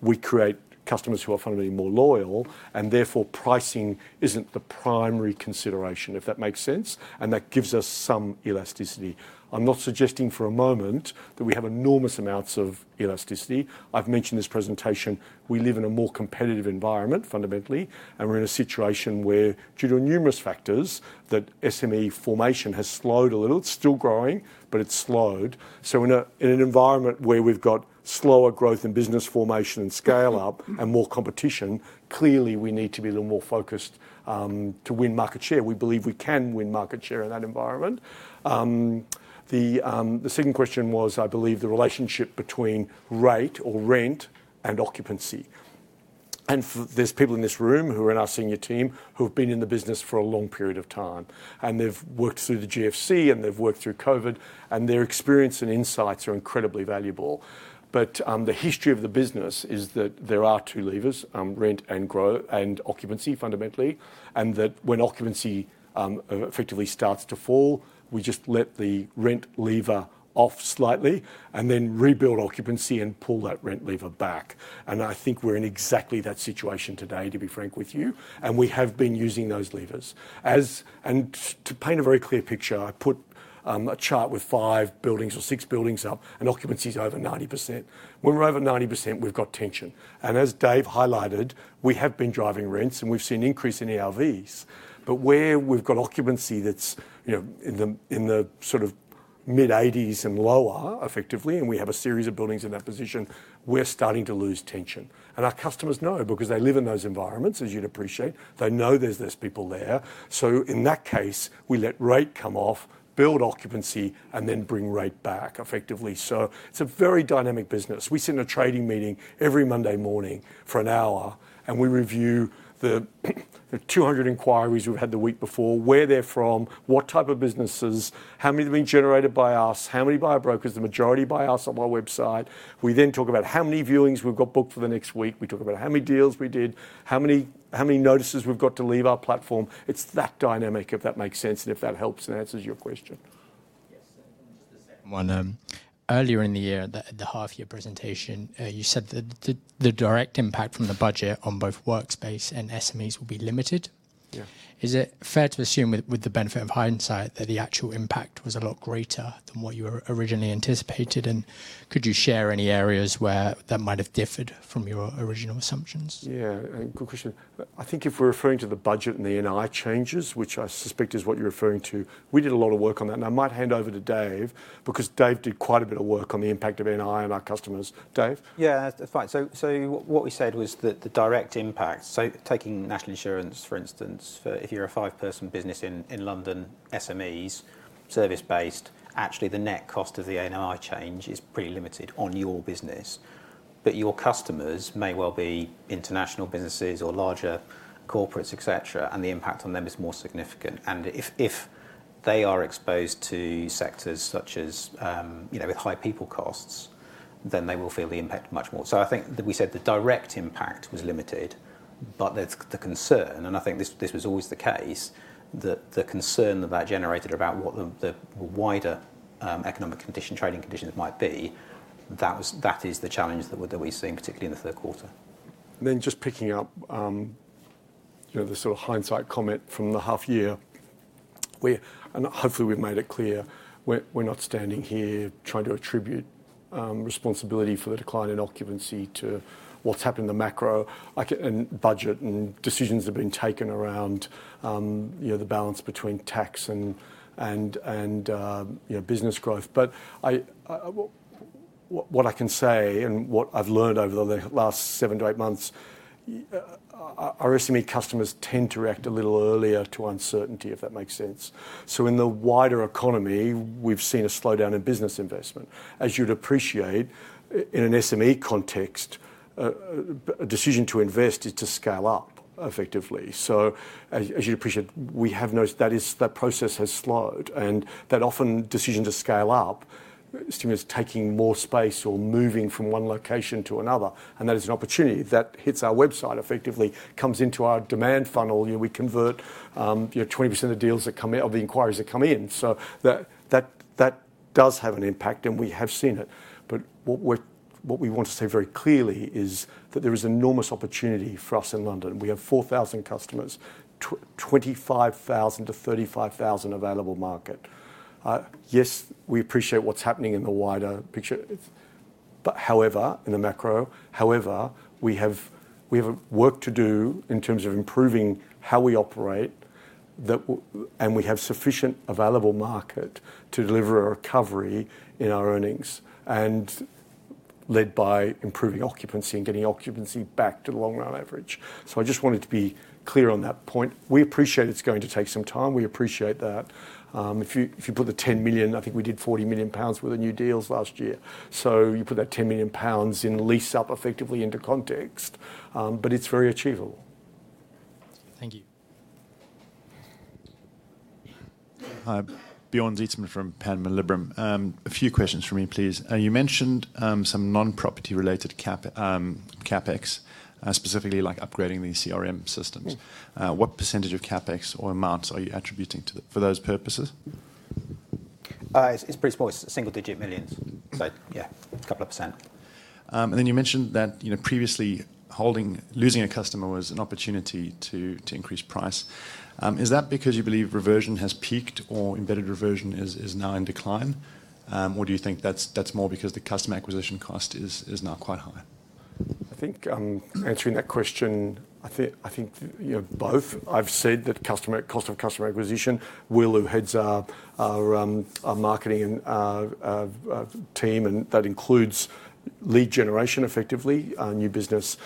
we create customers who are fundamentally more loyal, and therefore pricing is not the primary consideration, if that makes sense, and that gives us some elasticity. I am not suggesting for a moment that we have enormous amounts of elasticity. I have mentioned this presentation. We live in a more competitive environment fundamentally, and we're in a situation where, due to numerous factors, that SME formation has slowed a little. It's still growing, but it's slowed. In an environment where we've got slower growth and business formation and scale-up and more competition, clearly we need to be a little more focused to win market share. We believe we can win market share in that environment. The second question was, I believe, the relationship between rate or rent and occupancy. There are people in this room who are in our senior team who have been in the business for a long period of time, and they've worked through the GFC, and they've worked through COVID, and their experience and insights are incredibly valuable. The history of the business is that there are two levers, rent and growth and occupancy fundamentally, and that when occupancy effectively starts to fall, we just let the rent lever off slightly and then rebuild occupancy and pull that rent lever back. I think we're in exactly that situation today, to be frank with you, and we have been using those levers. To paint a very clear picture, I put a chart with five buildings or six buildings up, and occupancy is over 90%. When we're over 90%, we've got tension. As Dave highlighted, we have been driving rents, and we've seen an increase in ERVs. Where we've got occupancy that's in the sort of mid-80s and lower effectively, and we have a series of buildings in that position, we're starting to lose tension. Our customers know because they live in those environments, as you'd appreciate. They know there's less people there. In that case, we let rate come off, build occupancy, and then bring rate back effectively. It is a very dynamic business. We sit in a trading meeting every Monday morning for an hour, and we review the 200 inquiries we've had the week before, where they're from, what type of businesses, how many have been generated by us, how many by our brokers, the majority by us on our website. We then talk about how many viewings we've got booked for the next week. We talk about how many deals we did, how many notices we've got to leave our platform. It is that dynamic, if that makes sense, and if that helps and answers your question. Yes, just a second one. Earlier in the year, the half-year presentation, you said that the direct impact from the budget on both Workspace and SMEs will be limited. Is it fair to assume, with the benefit of hindsight, that the actual impact was a lot greater than what you originally anticipated? Could you share any areas where that might have differed from your original assumptions? Yeah, good question. I think if we're referring to the budget and the NI changes, which I suspect is what you're referring to, we did a lot of work on that. I might hand over to Dave because Dave did quite a bit of work on the impact of NI on our customers. Dave? Yeah, that's fine. What we said was that the direct impact, taking National Insurance, for instance, if you're a five-person business in London, SMEs, service-based, actually the net cost of the NI change is pretty limited on your business. Your customers may well be international businesses or larger corporates, etc., and the impact on them is more significant. If they are exposed to sectors such as with high people costs, then they will feel the impact much more. I think that we said the direct impact was limited, but the concern, and I think this was always the case, that the concern that that generated about what the wider economic condition, trading conditions might be, that is the challenge that we're seeing, particularly in the third quarter. Just picking up the sort of hindsight comment from the half-year, and hopefully we've made it clear, we're not standing here trying to attribute responsibility for the decline in occupancy to what's happened in the macro. Budget and decisions have been taken around the balance between tax and business growth. What I can say and what I've learned over the last seven to eight months, our SME customers tend to react a little earlier to uncertainty, if that makes sense. In the wider economy, we've seen a slowdown in business investment. As you'd appreciate, in an SME context, a decision to invest is to scale up effectively. As you'd appreciate, we have noticed that process has slowed, and that often decision to scale up is taking more space or moving from one location to another. That is an opportunity that hits our website effectively, comes into our demand funnel. We convert 20% of the deals that come in, of the inquiries that come in. That does have an impact, and we have seen it. What we want to say very clearly is that there is enormous opportunity for us in London. We have 4,000 customers, 25,000-35,000 available market. Yes, we appreciate what is happening in the wider picture. However, in the macro, we have work to do in terms of improving how we operate, and we have sufficient available market to deliver a recovery in our earnings and led by improving occupancy and getting occupancy back to the long-run average. I just wanted to be clear on that point. We appreciate it is going to take some time. We appreciate that. If you put the 10 million, I think we did 40 million pounds with the new deals last year. You put that 10 million pounds in lease up effectively into context, but it's very achievable. Thank you. Hi, Bjorn Zietsman from Panmure Liberum. A few questions for me, please. You mentioned some non-property related CapEx, specifically like upgrading the CRM systems. What percentage of CapEx or amounts are you attributing to for those purposes? It's pretty small. It's single-digit millions. Yeah, a couple of percent. You mentioned that previously losing a customer was an opportunity to increase price. Is that because you believe reversion has peaked or embedded reversion is now in decline? Or do you think that's more because the customer acquisition cost is now quite high? I think answering that question, I think both. I've said that cost of customer acquisition will have heads our marketing team and that includes lead generation effectively, new business.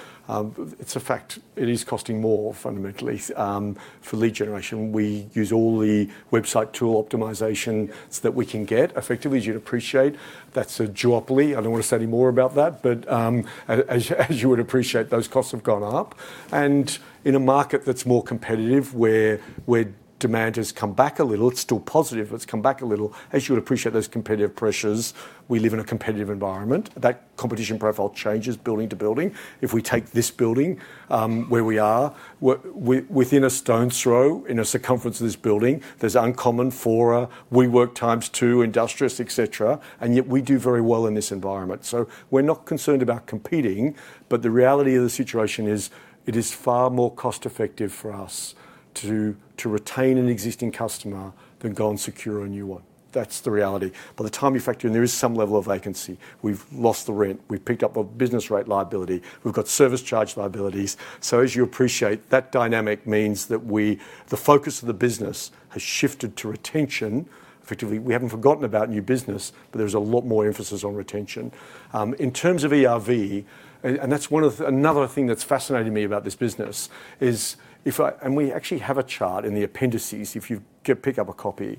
It's a fact. It is costing more fundamentally for lead generation. We use all the website tool optimization that we can get effectively, as you'd appreciate. That's a duopoly. I don't want to say any more about that, but as you would appreciate, those costs have gone up. In a market that's more competitive, where demand has come back a little, it's still positive, but it's come back a little. As you would appreciate those competitive pressures, we live in a competitive environment. That competition profile changes building to building. If we take this building where we are within a stone's throw in a circumference of this building, there's Uncommon, for WeWork times two industries, etc., and yet we do very well in this environment. We're not concerned about competing, but the reality of the situation is it is far more cost-effective for us to retain an existing customer than go and secure a new one. That's the reality. By the time you factor in, there is some level of vacancy. We've lost the rent. We've picked up a business rate liability. We've got service charge liabilities. As you appreciate, that dynamic means that the focus of the business has shifted to retention. Effectively, we haven't forgotten about new business, but there's a lot more emphasis on retention. In terms of ERV, and that's another thing that's fascinated me about this business, is if I—and we actually have a chart in the appendices if you pick up a copy.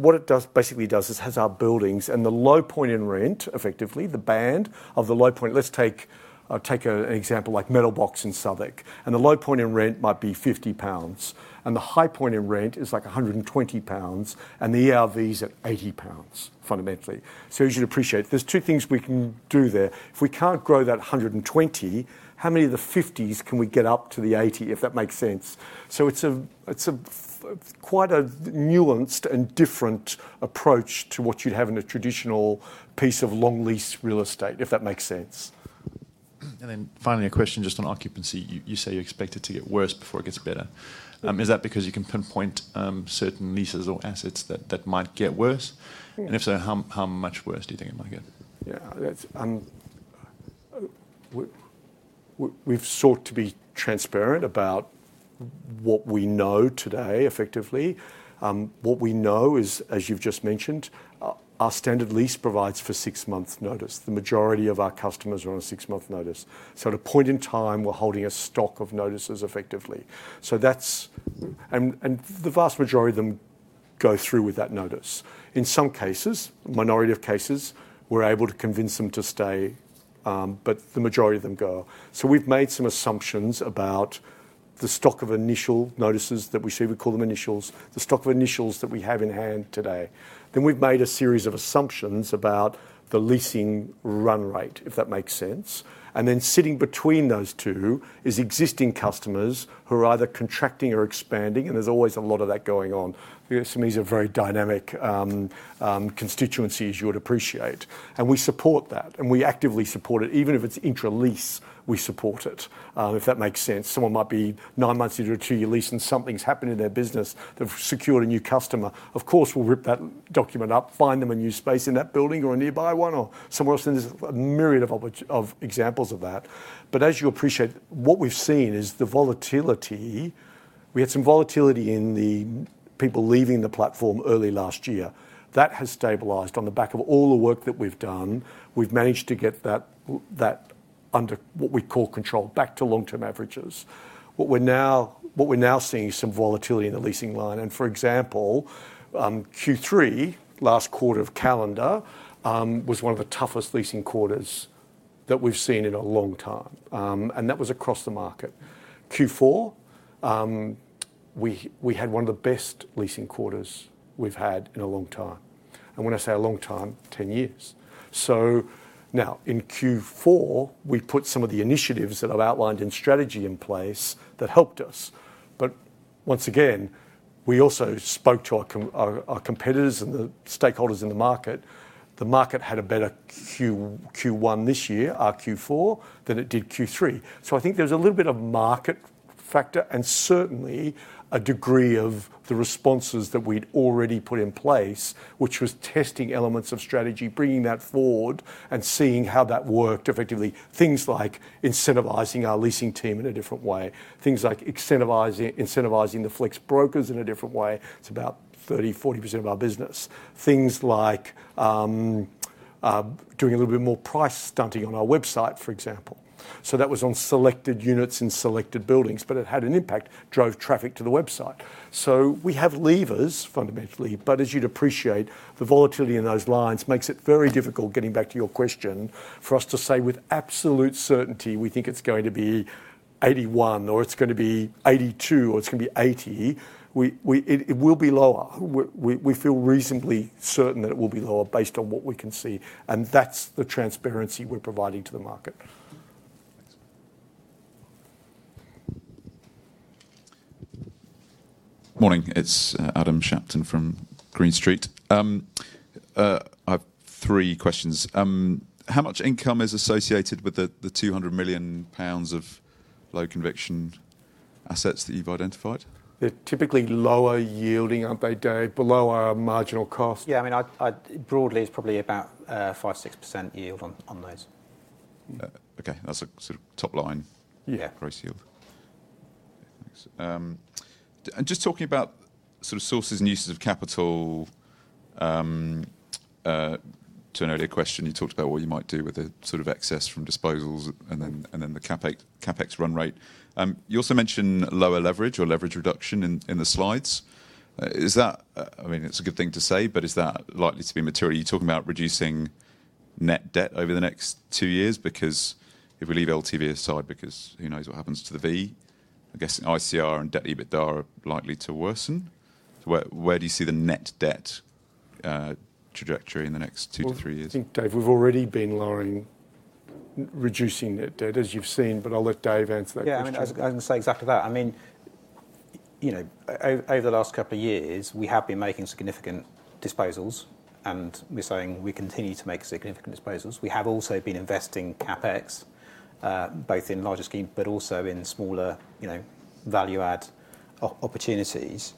What it basically does is has our buildings and the low point in rent, effectively, the band of the low point. Let's take an example like Metal Box in Southwark. The low point in rent might be 50 pounds. The high point in rent is like 120 pounds. The ERV is at 80 pounds fundamentally. As you'd appreciate, there are two things we can do there. If we can't grow that 120, how many of the 50s can we get up to the 80, if that makes sense? It's quite a nuanced and different approach to what you'd have in a traditional piece of long-lease real estate, if that makes sense. Finally, a question just on occupancy. You say you expect it to get worse before it gets better. Is that because you can pinpoint certain leases or assets that might get worse? If so, how much worse do you think it might get? Yeah, we've sought to be transparent about what we know today effectively. What we know is, as you've just mentioned, our standard lease provides for six-month notice. The majority of our customers are on a six-month notice. At a point in time, we're holding a stock of notices effectively. The vast majority of them go through with that notice. In some cases, minority of cases, we're able to convince them to stay, but the majority of them go. We've made some assumptions about the stock of initial notices that we see. We call them initials, the stock of initials that we have in hand today. We've made a series of assumptions about the leasing run rate, if that makes sense. Sitting between those two is existing customers who are either contracting or expanding, and there's always a lot of that going on. SMEs are very dynamic constituencies, you would appreciate. We support that, and we actively support it. Even if it's intra-lease, we support it, if that makes sense. Someone might be nine months into a two-year lease, and something's happened in their business. They've secured a new customer. Of course, we'll rip that document up, find them a new space in that building or a nearby one or somewhere else. There's a myriad of examples of that. As you appreciate, what we've seen is the volatility. We had some volatility in the people leaving the platform early last year. That has stabilized on the back of all the work that we've done. We've managed to get that under what we call control back to long-term averages. What we're now seeing is some volatility in the leasing line. For example, Q3, last quarter of calendar, was one of the toughest leasing quarters that we've seen in a long time. That was across the market. Q4, we had one of the best leasing quarters we've had in a long time. When I say a long time, 10 years. Now in Q4, we put some of the initiatives that I've outlined in strategy in place that helped us. Once again, we also spoke to our competitors and the stakeholders in the market. The market had a better Q1 this year, our Q4, than it did Q3. I think there's a little bit of market factor and certainly a degree of the responses that we'd already put in place, which was testing elements of strategy, bringing that forward and seeing how that worked effectively. Things like incentivizing our leasing team in a different way. Things like incentivizing the flex brokers in a different way. It's about 30-40% of our business. Things like doing a little bit more price stunting on our website, for example. That was on selected units in selected buildings, but it had an impact, drove traffic to the website. We have levers fundamentally, but as you'd appreciate, the volatility in those lines makes it very difficult, getting back to your question, for us to say with absolute certainty, we think it's going to be 81 or it's going to be 82 or it's going to be 80. It will be lower. We feel reasonably certain that it will be lower based on what we can see. That's the transparency we're providing to the market. Morning. It's Adam Shapton from Green Street. I have three questions. How much income is associated with the 200 million pounds of low-conviction assets that you've identified? They're typically lower yielding, aren't they, Dave? Below our marginal cost. Yeah, I mean, broadly, it's probably about 5%-6% yield on those. Okay, that's a sort of top-line price yield. Just talking about sort of sources and uses of capital, to an earlier question, you talked about what you might do with the sort of excess from disposals and then the CapEx run rate. You also mentioned lower leverage or leverage reduction in the slides. I mean, it's a good thing to say, but is that likely to be material? Are you talking about reducing net debt over the next two years? Because if we leave LTV aside, because who knows what happens to the V, I guess ICR and debt EBITDA are likely to worsen. Where do you see the net debt trajectory in the next two to three years? I think, Dave, we have already been lowering, reducing net debt, as you have seen, but I will let Dave answer that question. I was going to say exactly that. I mean, over the last couple of years, we have been making significant disposals, and we are saying we continue to make significant disposals. We have also been investing CapEx, both in larger schemes, but also in smaller value-add opportunities.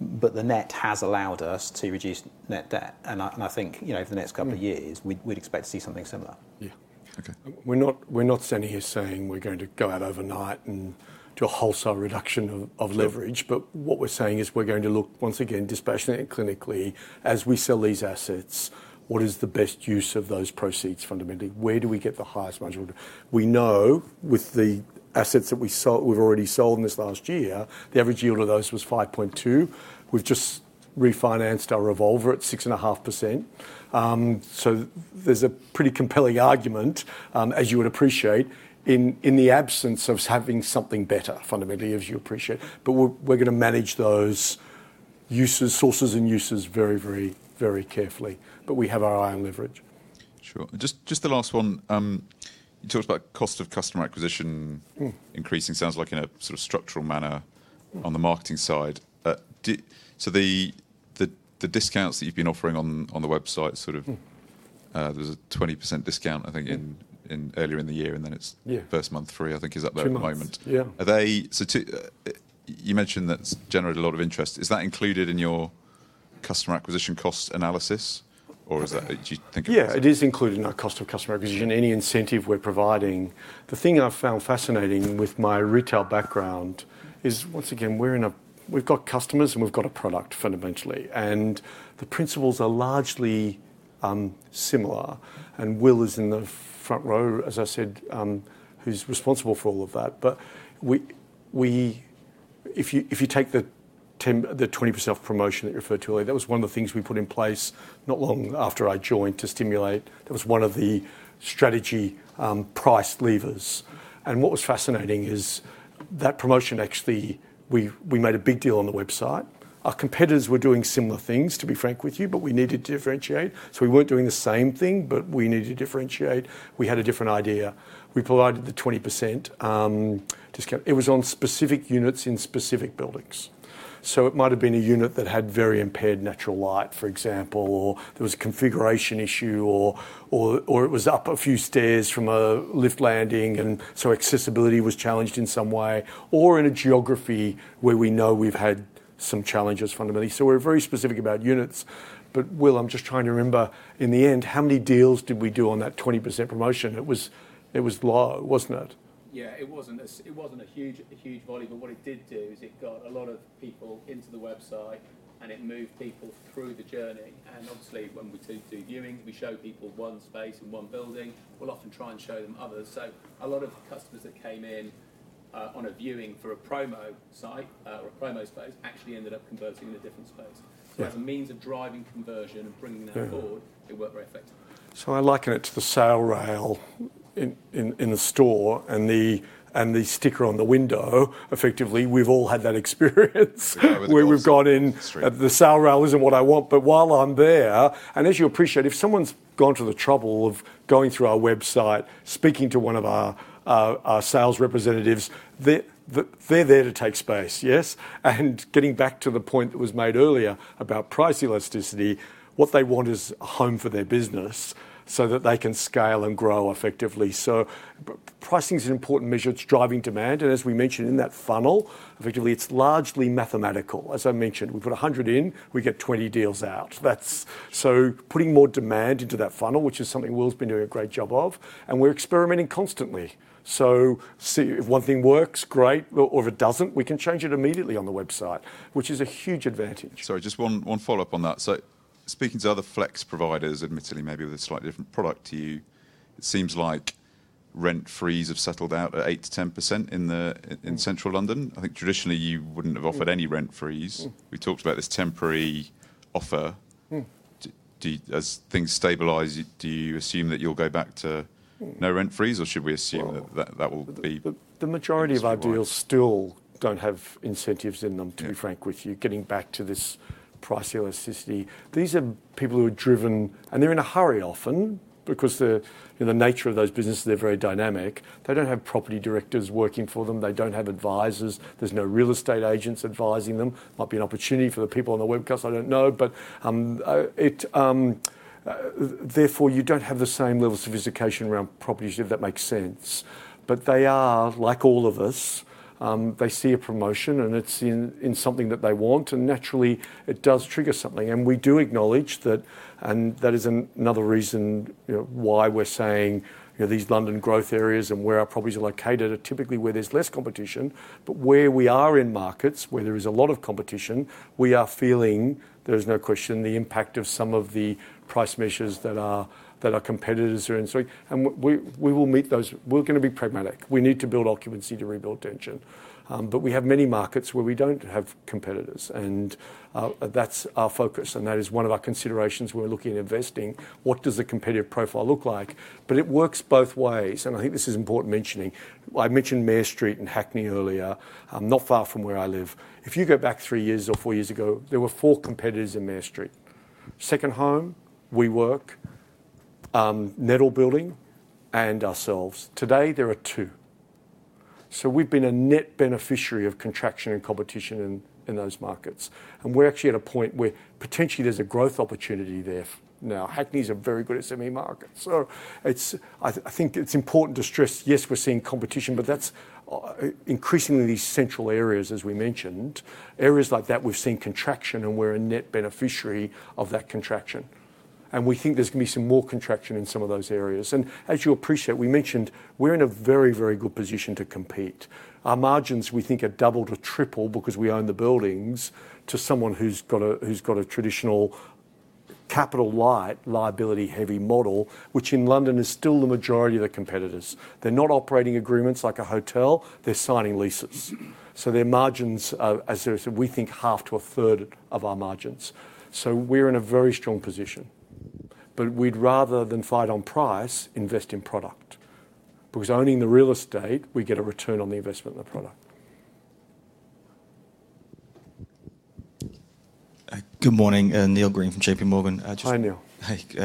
The net has allowed us to reduce net debt. I think over the next couple of years, we would expect to see something similar. Yeah. Okay. We are not standing here saying we are going to go out overnight and do a wholesale reduction of leverage. What we are saying is we are going to look, once again, dispassionately and clinically, as we sell these assets, what is the best use of those proceeds fundamentally? Where do we get the highest margin? We know with the assets that we have already sold in this last year, the average yield of those was 5.2%. We have just refinanced our revolver at 6.5%. There is a pretty compelling argument, as you would appreciate, in the absence of having something better fundamentally, as you appreciate. We are going to manage those sources and uses very, very, very carefully. We have our eye on leverage. Sure. Just the last one. You talked about cost of customer acquisition increasing. Sounds like in a sort of structural manner on the marketing side. The discounts that you've been offering on the website, sort of there's a 20% discount, I think, earlier in the year, and then it's first month free, I think, is that there at the moment? Yeah. You mentioned that's generated a lot of interest. Is that included in your customer acquisition cost analysis, or do you think it was? Yeah, it is included in our cost of customer acquisition. Any incentive we're providing. The thing I've found fascinating with my retail background is, once again, we've got customers and we've got a product fundamentally. The principles are largely similar. Will is in the front row, as I said, who's responsible for all of that. If you take the 20% off promotion that you referred to earlier, that was one of the things we put in place not long after I joined to stimulate. That was one of the strategy price levers. What was fascinating is that promotion actually, we made a big deal on the website. Our competitors were doing similar things, to be frank with you, but we needed to differentiate. We were not doing the same thing, but we needed to differentiate. We had a different idea. We provided the 20% discount. It was on specific units in specific buildings. It might have been a unit that had very impaired natural light, for example, or there was a configuration issue, or it was up a few stairs from a lift landing. Accessibility was challenged in some way, or in a geography where we know we have had some challenges fundamentally. We were very specific about units. Will, I am just trying to remember, in the end, how many deals did we do on that 20% promotion? It was low, was it not? Yeah, it was not. It was not a huge volume. What it did do is it got a lot of people into the website, and it moved people through the journey. Obviously, when we do viewings, we show people one space in one building. We will often try and show them others. A lot of customers that came in on a viewing for a promo site or a promo space actually ended up converting in a different space. As a means of driving conversion and bringing that forward, it worked very effectively. I liken it to the sale rail in the store and the sticker on the window. Effectively, we have all had that experience. We have gone in. The sale rail is not what I want, but while I am there, and as you appreciate, if someone has gone to the trouble of going through our website, speaking to one of our sales representatives, they are there to take space, yes? Getting back to the point that was made earlier about price elasticity, what they want is a home for their business so that they can scale and grow effectively. Pricing is an important measure. It is driving demand. As we mentioned in that funnel, effectively, it is largely mathematical. As I mentioned, we put 100 in, we get 20 deals out. Putting more demand into that funnel, which is something Will has been doing a great job of, and we are experimenting constantly. If one thing works, great. If it does not, we can change it immediately on the website, which is a huge advantage. Sorry, just one follow-up on that. Speaking to other flex providers, admittedly, maybe with a slightly different product to you, it seems like rent frees have settled out at 8-10% in central London. I think traditionally, you would not have offered any rent frees. We talked about this temporary offer. As things stabilize, do you assume that you will go back to no rent frees, or should we assume that that will be? The majority of our deals still do not have incentives in them, to be frank with you, getting back to this price elasticity. These are people who are driven, and they are in a hurry often because the nature of those businesses, they are very dynamic. They do not have property directors working for them. They do not have advisors. There are no real estate agents advising them. It might be an opportunity for the people on the webcast, I do not know. Therefore, you do not have the same level of sophistication around properties if that makes sense. They are, like all of us, they see a promotion, and it is in something that they want. Naturally, it does trigger something. We do acknowledge that, and that is another reason why we are saying these London growth areas and where our properties are located are typically where there is less competition. Where we are in markets where there is a lot of competition, we are feeling, there is no question, the impact of some of the price measures that our competitors are in. We will meet those. We are going to be pragmatic. We need to build occupancy to rebuild tension. We have many markets where we do not have competitors. That is our focus. That is one of our considerations when we are looking at investing. What does the competitive profile look like? It works both ways. I think this is important mentioning. I mentioned Mayor Street and Hackney earlier, not far from where I live. If you go back three years or four years ago, there were four competitors in Mayor Street: Second Home, WeWork, Nettle Building, and ourselves. Today, there are two. We have been a net beneficiary of contraction and competition in those markets. We are actually at a point where potentially there is a growth opportunity there. Hackney is a very good SME market. I think it is important to stress, yes, we are seeing competition, but that is increasingly these central areas, as we mentioned. Areas like that, we have seen contraction, and we are a net beneficiary of that contraction. We think there is going to be some more contraction in some of those areas. As you appreciate, we mentioned we're in a very, very good position to compete. Our margins, we think, have doubled or tripled because we own the buildings compared to someone who's got a traditional capital-light, liability-heavy model, which in London is still the majority of the competitors. They're not operating agreements like a hotel. They're signing leases. Their margins, as we think, are half to a third of our margins. We're in a very strong position. We'd rather than fight on price, invest in product. Because owning the real estate, we get a return on the investment in the product. Good morning. Neil Green from JP Morgan. Hi, Neil.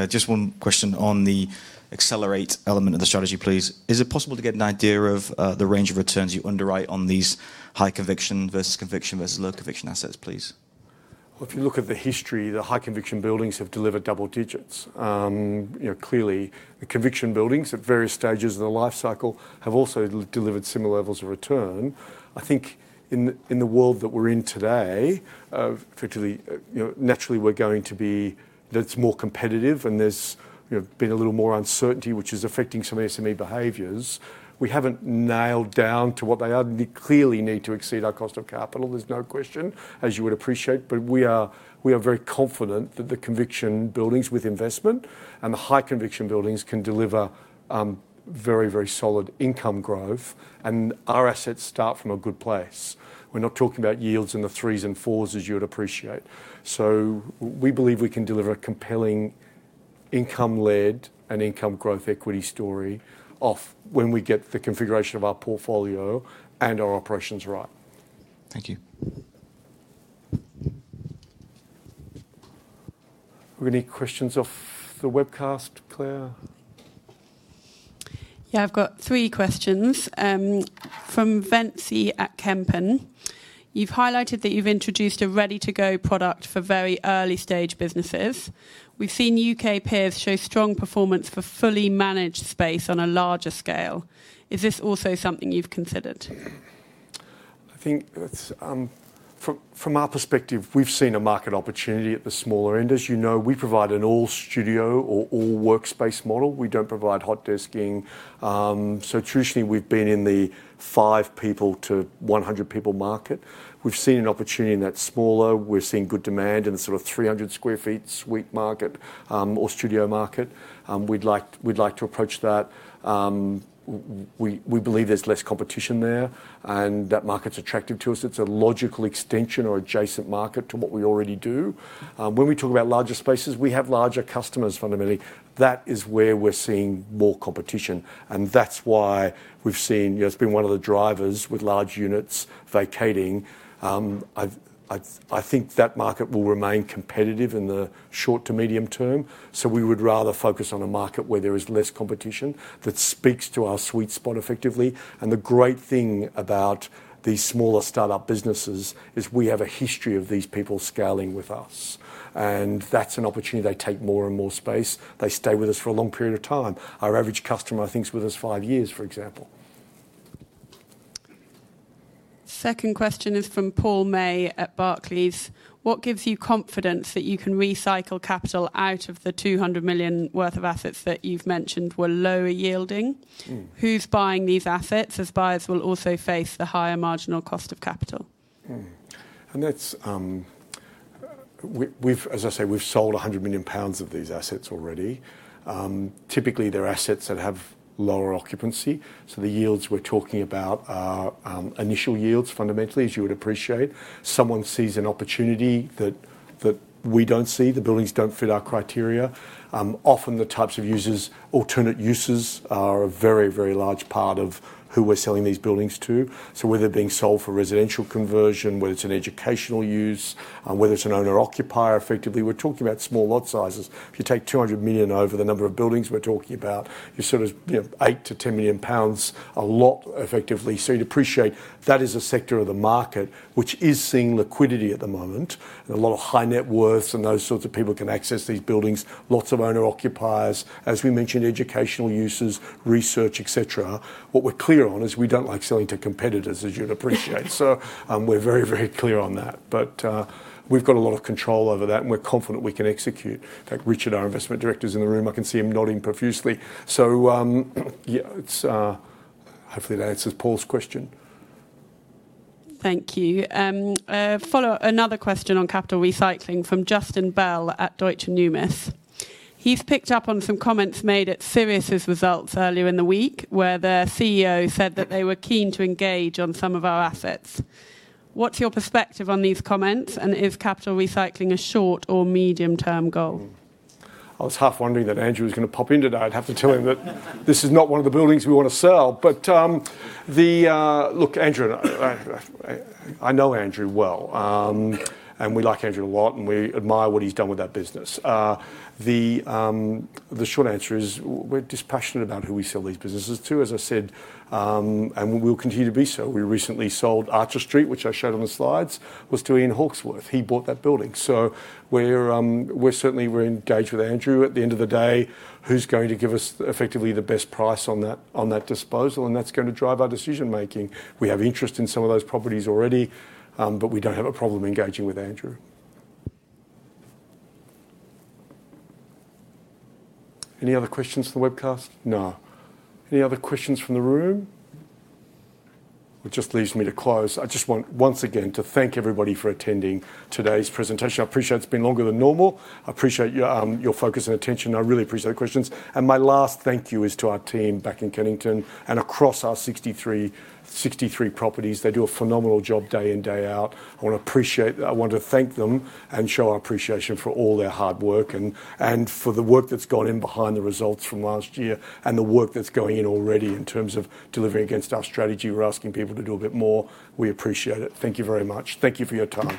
Just one question on the accelerate element of the strategy, please. Is it possible to get an idea of the range of returns you underwrite on these high-conviction versus conviction versus low-conviction assets, please? If you look at the history, the high-conviction buildings have delivered double digits. Clearly, the conviction buildings at various stages of the life cycle have also delivered similar levels of return. I think in the world that we are in today, effectively, naturally, we are going to be that it is more competitive, and there has been a little more uncertainty, which is affecting some SME behaviors. We have not nailed down to what they clearly need to exceed our cost of capital. There is no question, as you would appreciate. We are very confident that the conviction buildings with investment and the high-conviction buildings can deliver very, very solid income growth. Our assets start from a good place. We are not talking about yields in the threes and fours as you would appreciate. We believe we can deliver a compelling income-led and income-growth equity story when we get the configuration of our portfolio and our operations right. Thank you. We are going to need questions off the webcast, Clare. Yeah, I have three questions. From Venci at Kempen, you have highlighted that you have introduced a ready-to-go product for very early-stage businesses. We have seen U.K. peers show strong performance for fully managed space on a larger scale. Is this also something you have considered? I think from our perspective, we have seen a market opportunity at the smaller end. As you know, we provide an all-studio or all-workspace model. We do not provide hot desking. Traditionally, we have been in the five people to 100 people market. We have seen an opportunity in that smaller. We have seen good demand in the sort of 300 sq ft suite market or studio market. We would like to approach that. We believe there's less competition there, and that market's attractive to us. It's a logical extension or adjacent market to what we already do. When we talk about larger spaces, we have larger customers fundamentally. That is where we're seeing more competition. That is why we've seen it's been one of the drivers with large units vacating. I think that market will remain competitive in the short to medium term. We would rather focus on a market where there is less competition that speaks to our sweet spot effectively. The great thing about these smaller startup businesses is we have a history of these people scaling with us. That is an opportunity. They take more and more space. They stay with us for a long period of time. Our average customer, I think, is with us five years, for example. Second question is from Paul May at Barclays. What gives you confidence that you can recycle capital out of the 200 million worth of assets that you've mentioned were lower yielding? Who's buying these assets as buyers will also face the higher marginal cost of capital? As I say, we've sold 100 million pounds of these assets already. Typically, they're assets that have lower occupancy. The yields we're talking about are initial yields fundamentally, as you would appreciate. Someone sees an opportunity that we don't see. The buildings don't fit our criteria. Often, the types of users, alternate users are a very, very large part of who we're selling these buildings to. Whether they're being sold for residential conversion, whether it's an educational use, whether it's an owner-occupier, effectively, we're talking about small lot sizes. If you take 200 million over the number of buildings we're talking about, you're sort of 8-10 million pounds, a lot effectively. You'd appreciate that is a sector of the market which is seeing liquidity at the moment. A lot of high net worths and those sorts of people can access these buildings. Lots of owner-occupiers, as we mentioned, educational uses, research, etc. What we're clear on is we don't like selling to competitors, as you'd appreciate. We're very, very clear on that. We've got a lot of control over that, and we're confident we can execute. In fact, Richard, our Investment Director, is in the room. I can see him nodding profusely. Hopefully, that answers Paul's question. Thank you. Another question on capital recycling from Justin Bell at Deutsche Numis. He's picked up on some comments made at Sirius's results earlier in the week where the CEO said that they were keen to engage on some of our assets. What's your perspective on these comments? Is capital recycling a short or medium-term goal? I was half wondering that Andrew was going to pop in today. I'd have to tell him that this is not one of the buildings we want to sell. Andrew, I know Andrew well. We like Andrew a lot, and we admire what he's done with that business. The short answer is we're dispassionate about who we sell these businesses to, as I said, and we'll continue to be so. We recently sold Archer Street, which I showed on the slides, was to Ian Hawkesworth. He bought that building. Certainly, we're engaged with Andrew at the end of the day, who's going to give us effectively the best price on that disposal. That's going to drive our decision-making. We have interest in some of those properties already, but we don't have a problem engaging with Andrew. Any other questions from the webcast? No. Any other questions from the room? It just leads me to close. I just want, once again, to thank everybody for attending today's presentation. I appreciate it's been longer than normal. I appreciate your focus and attention. I really appreciate the questions. My last thank you is to our team back in Kennington and across our 63 properties. They do a phenomenal job day in, day out. I want to appreciate that. I want to thank them and show our appreciation for all their hard work and for the work that is gone in behind the results from last year and the work that is going in already in terms of delivering against our strategy. We are asking people to do a bit more. We appreciate it. Thank you very much. Thank you for your time.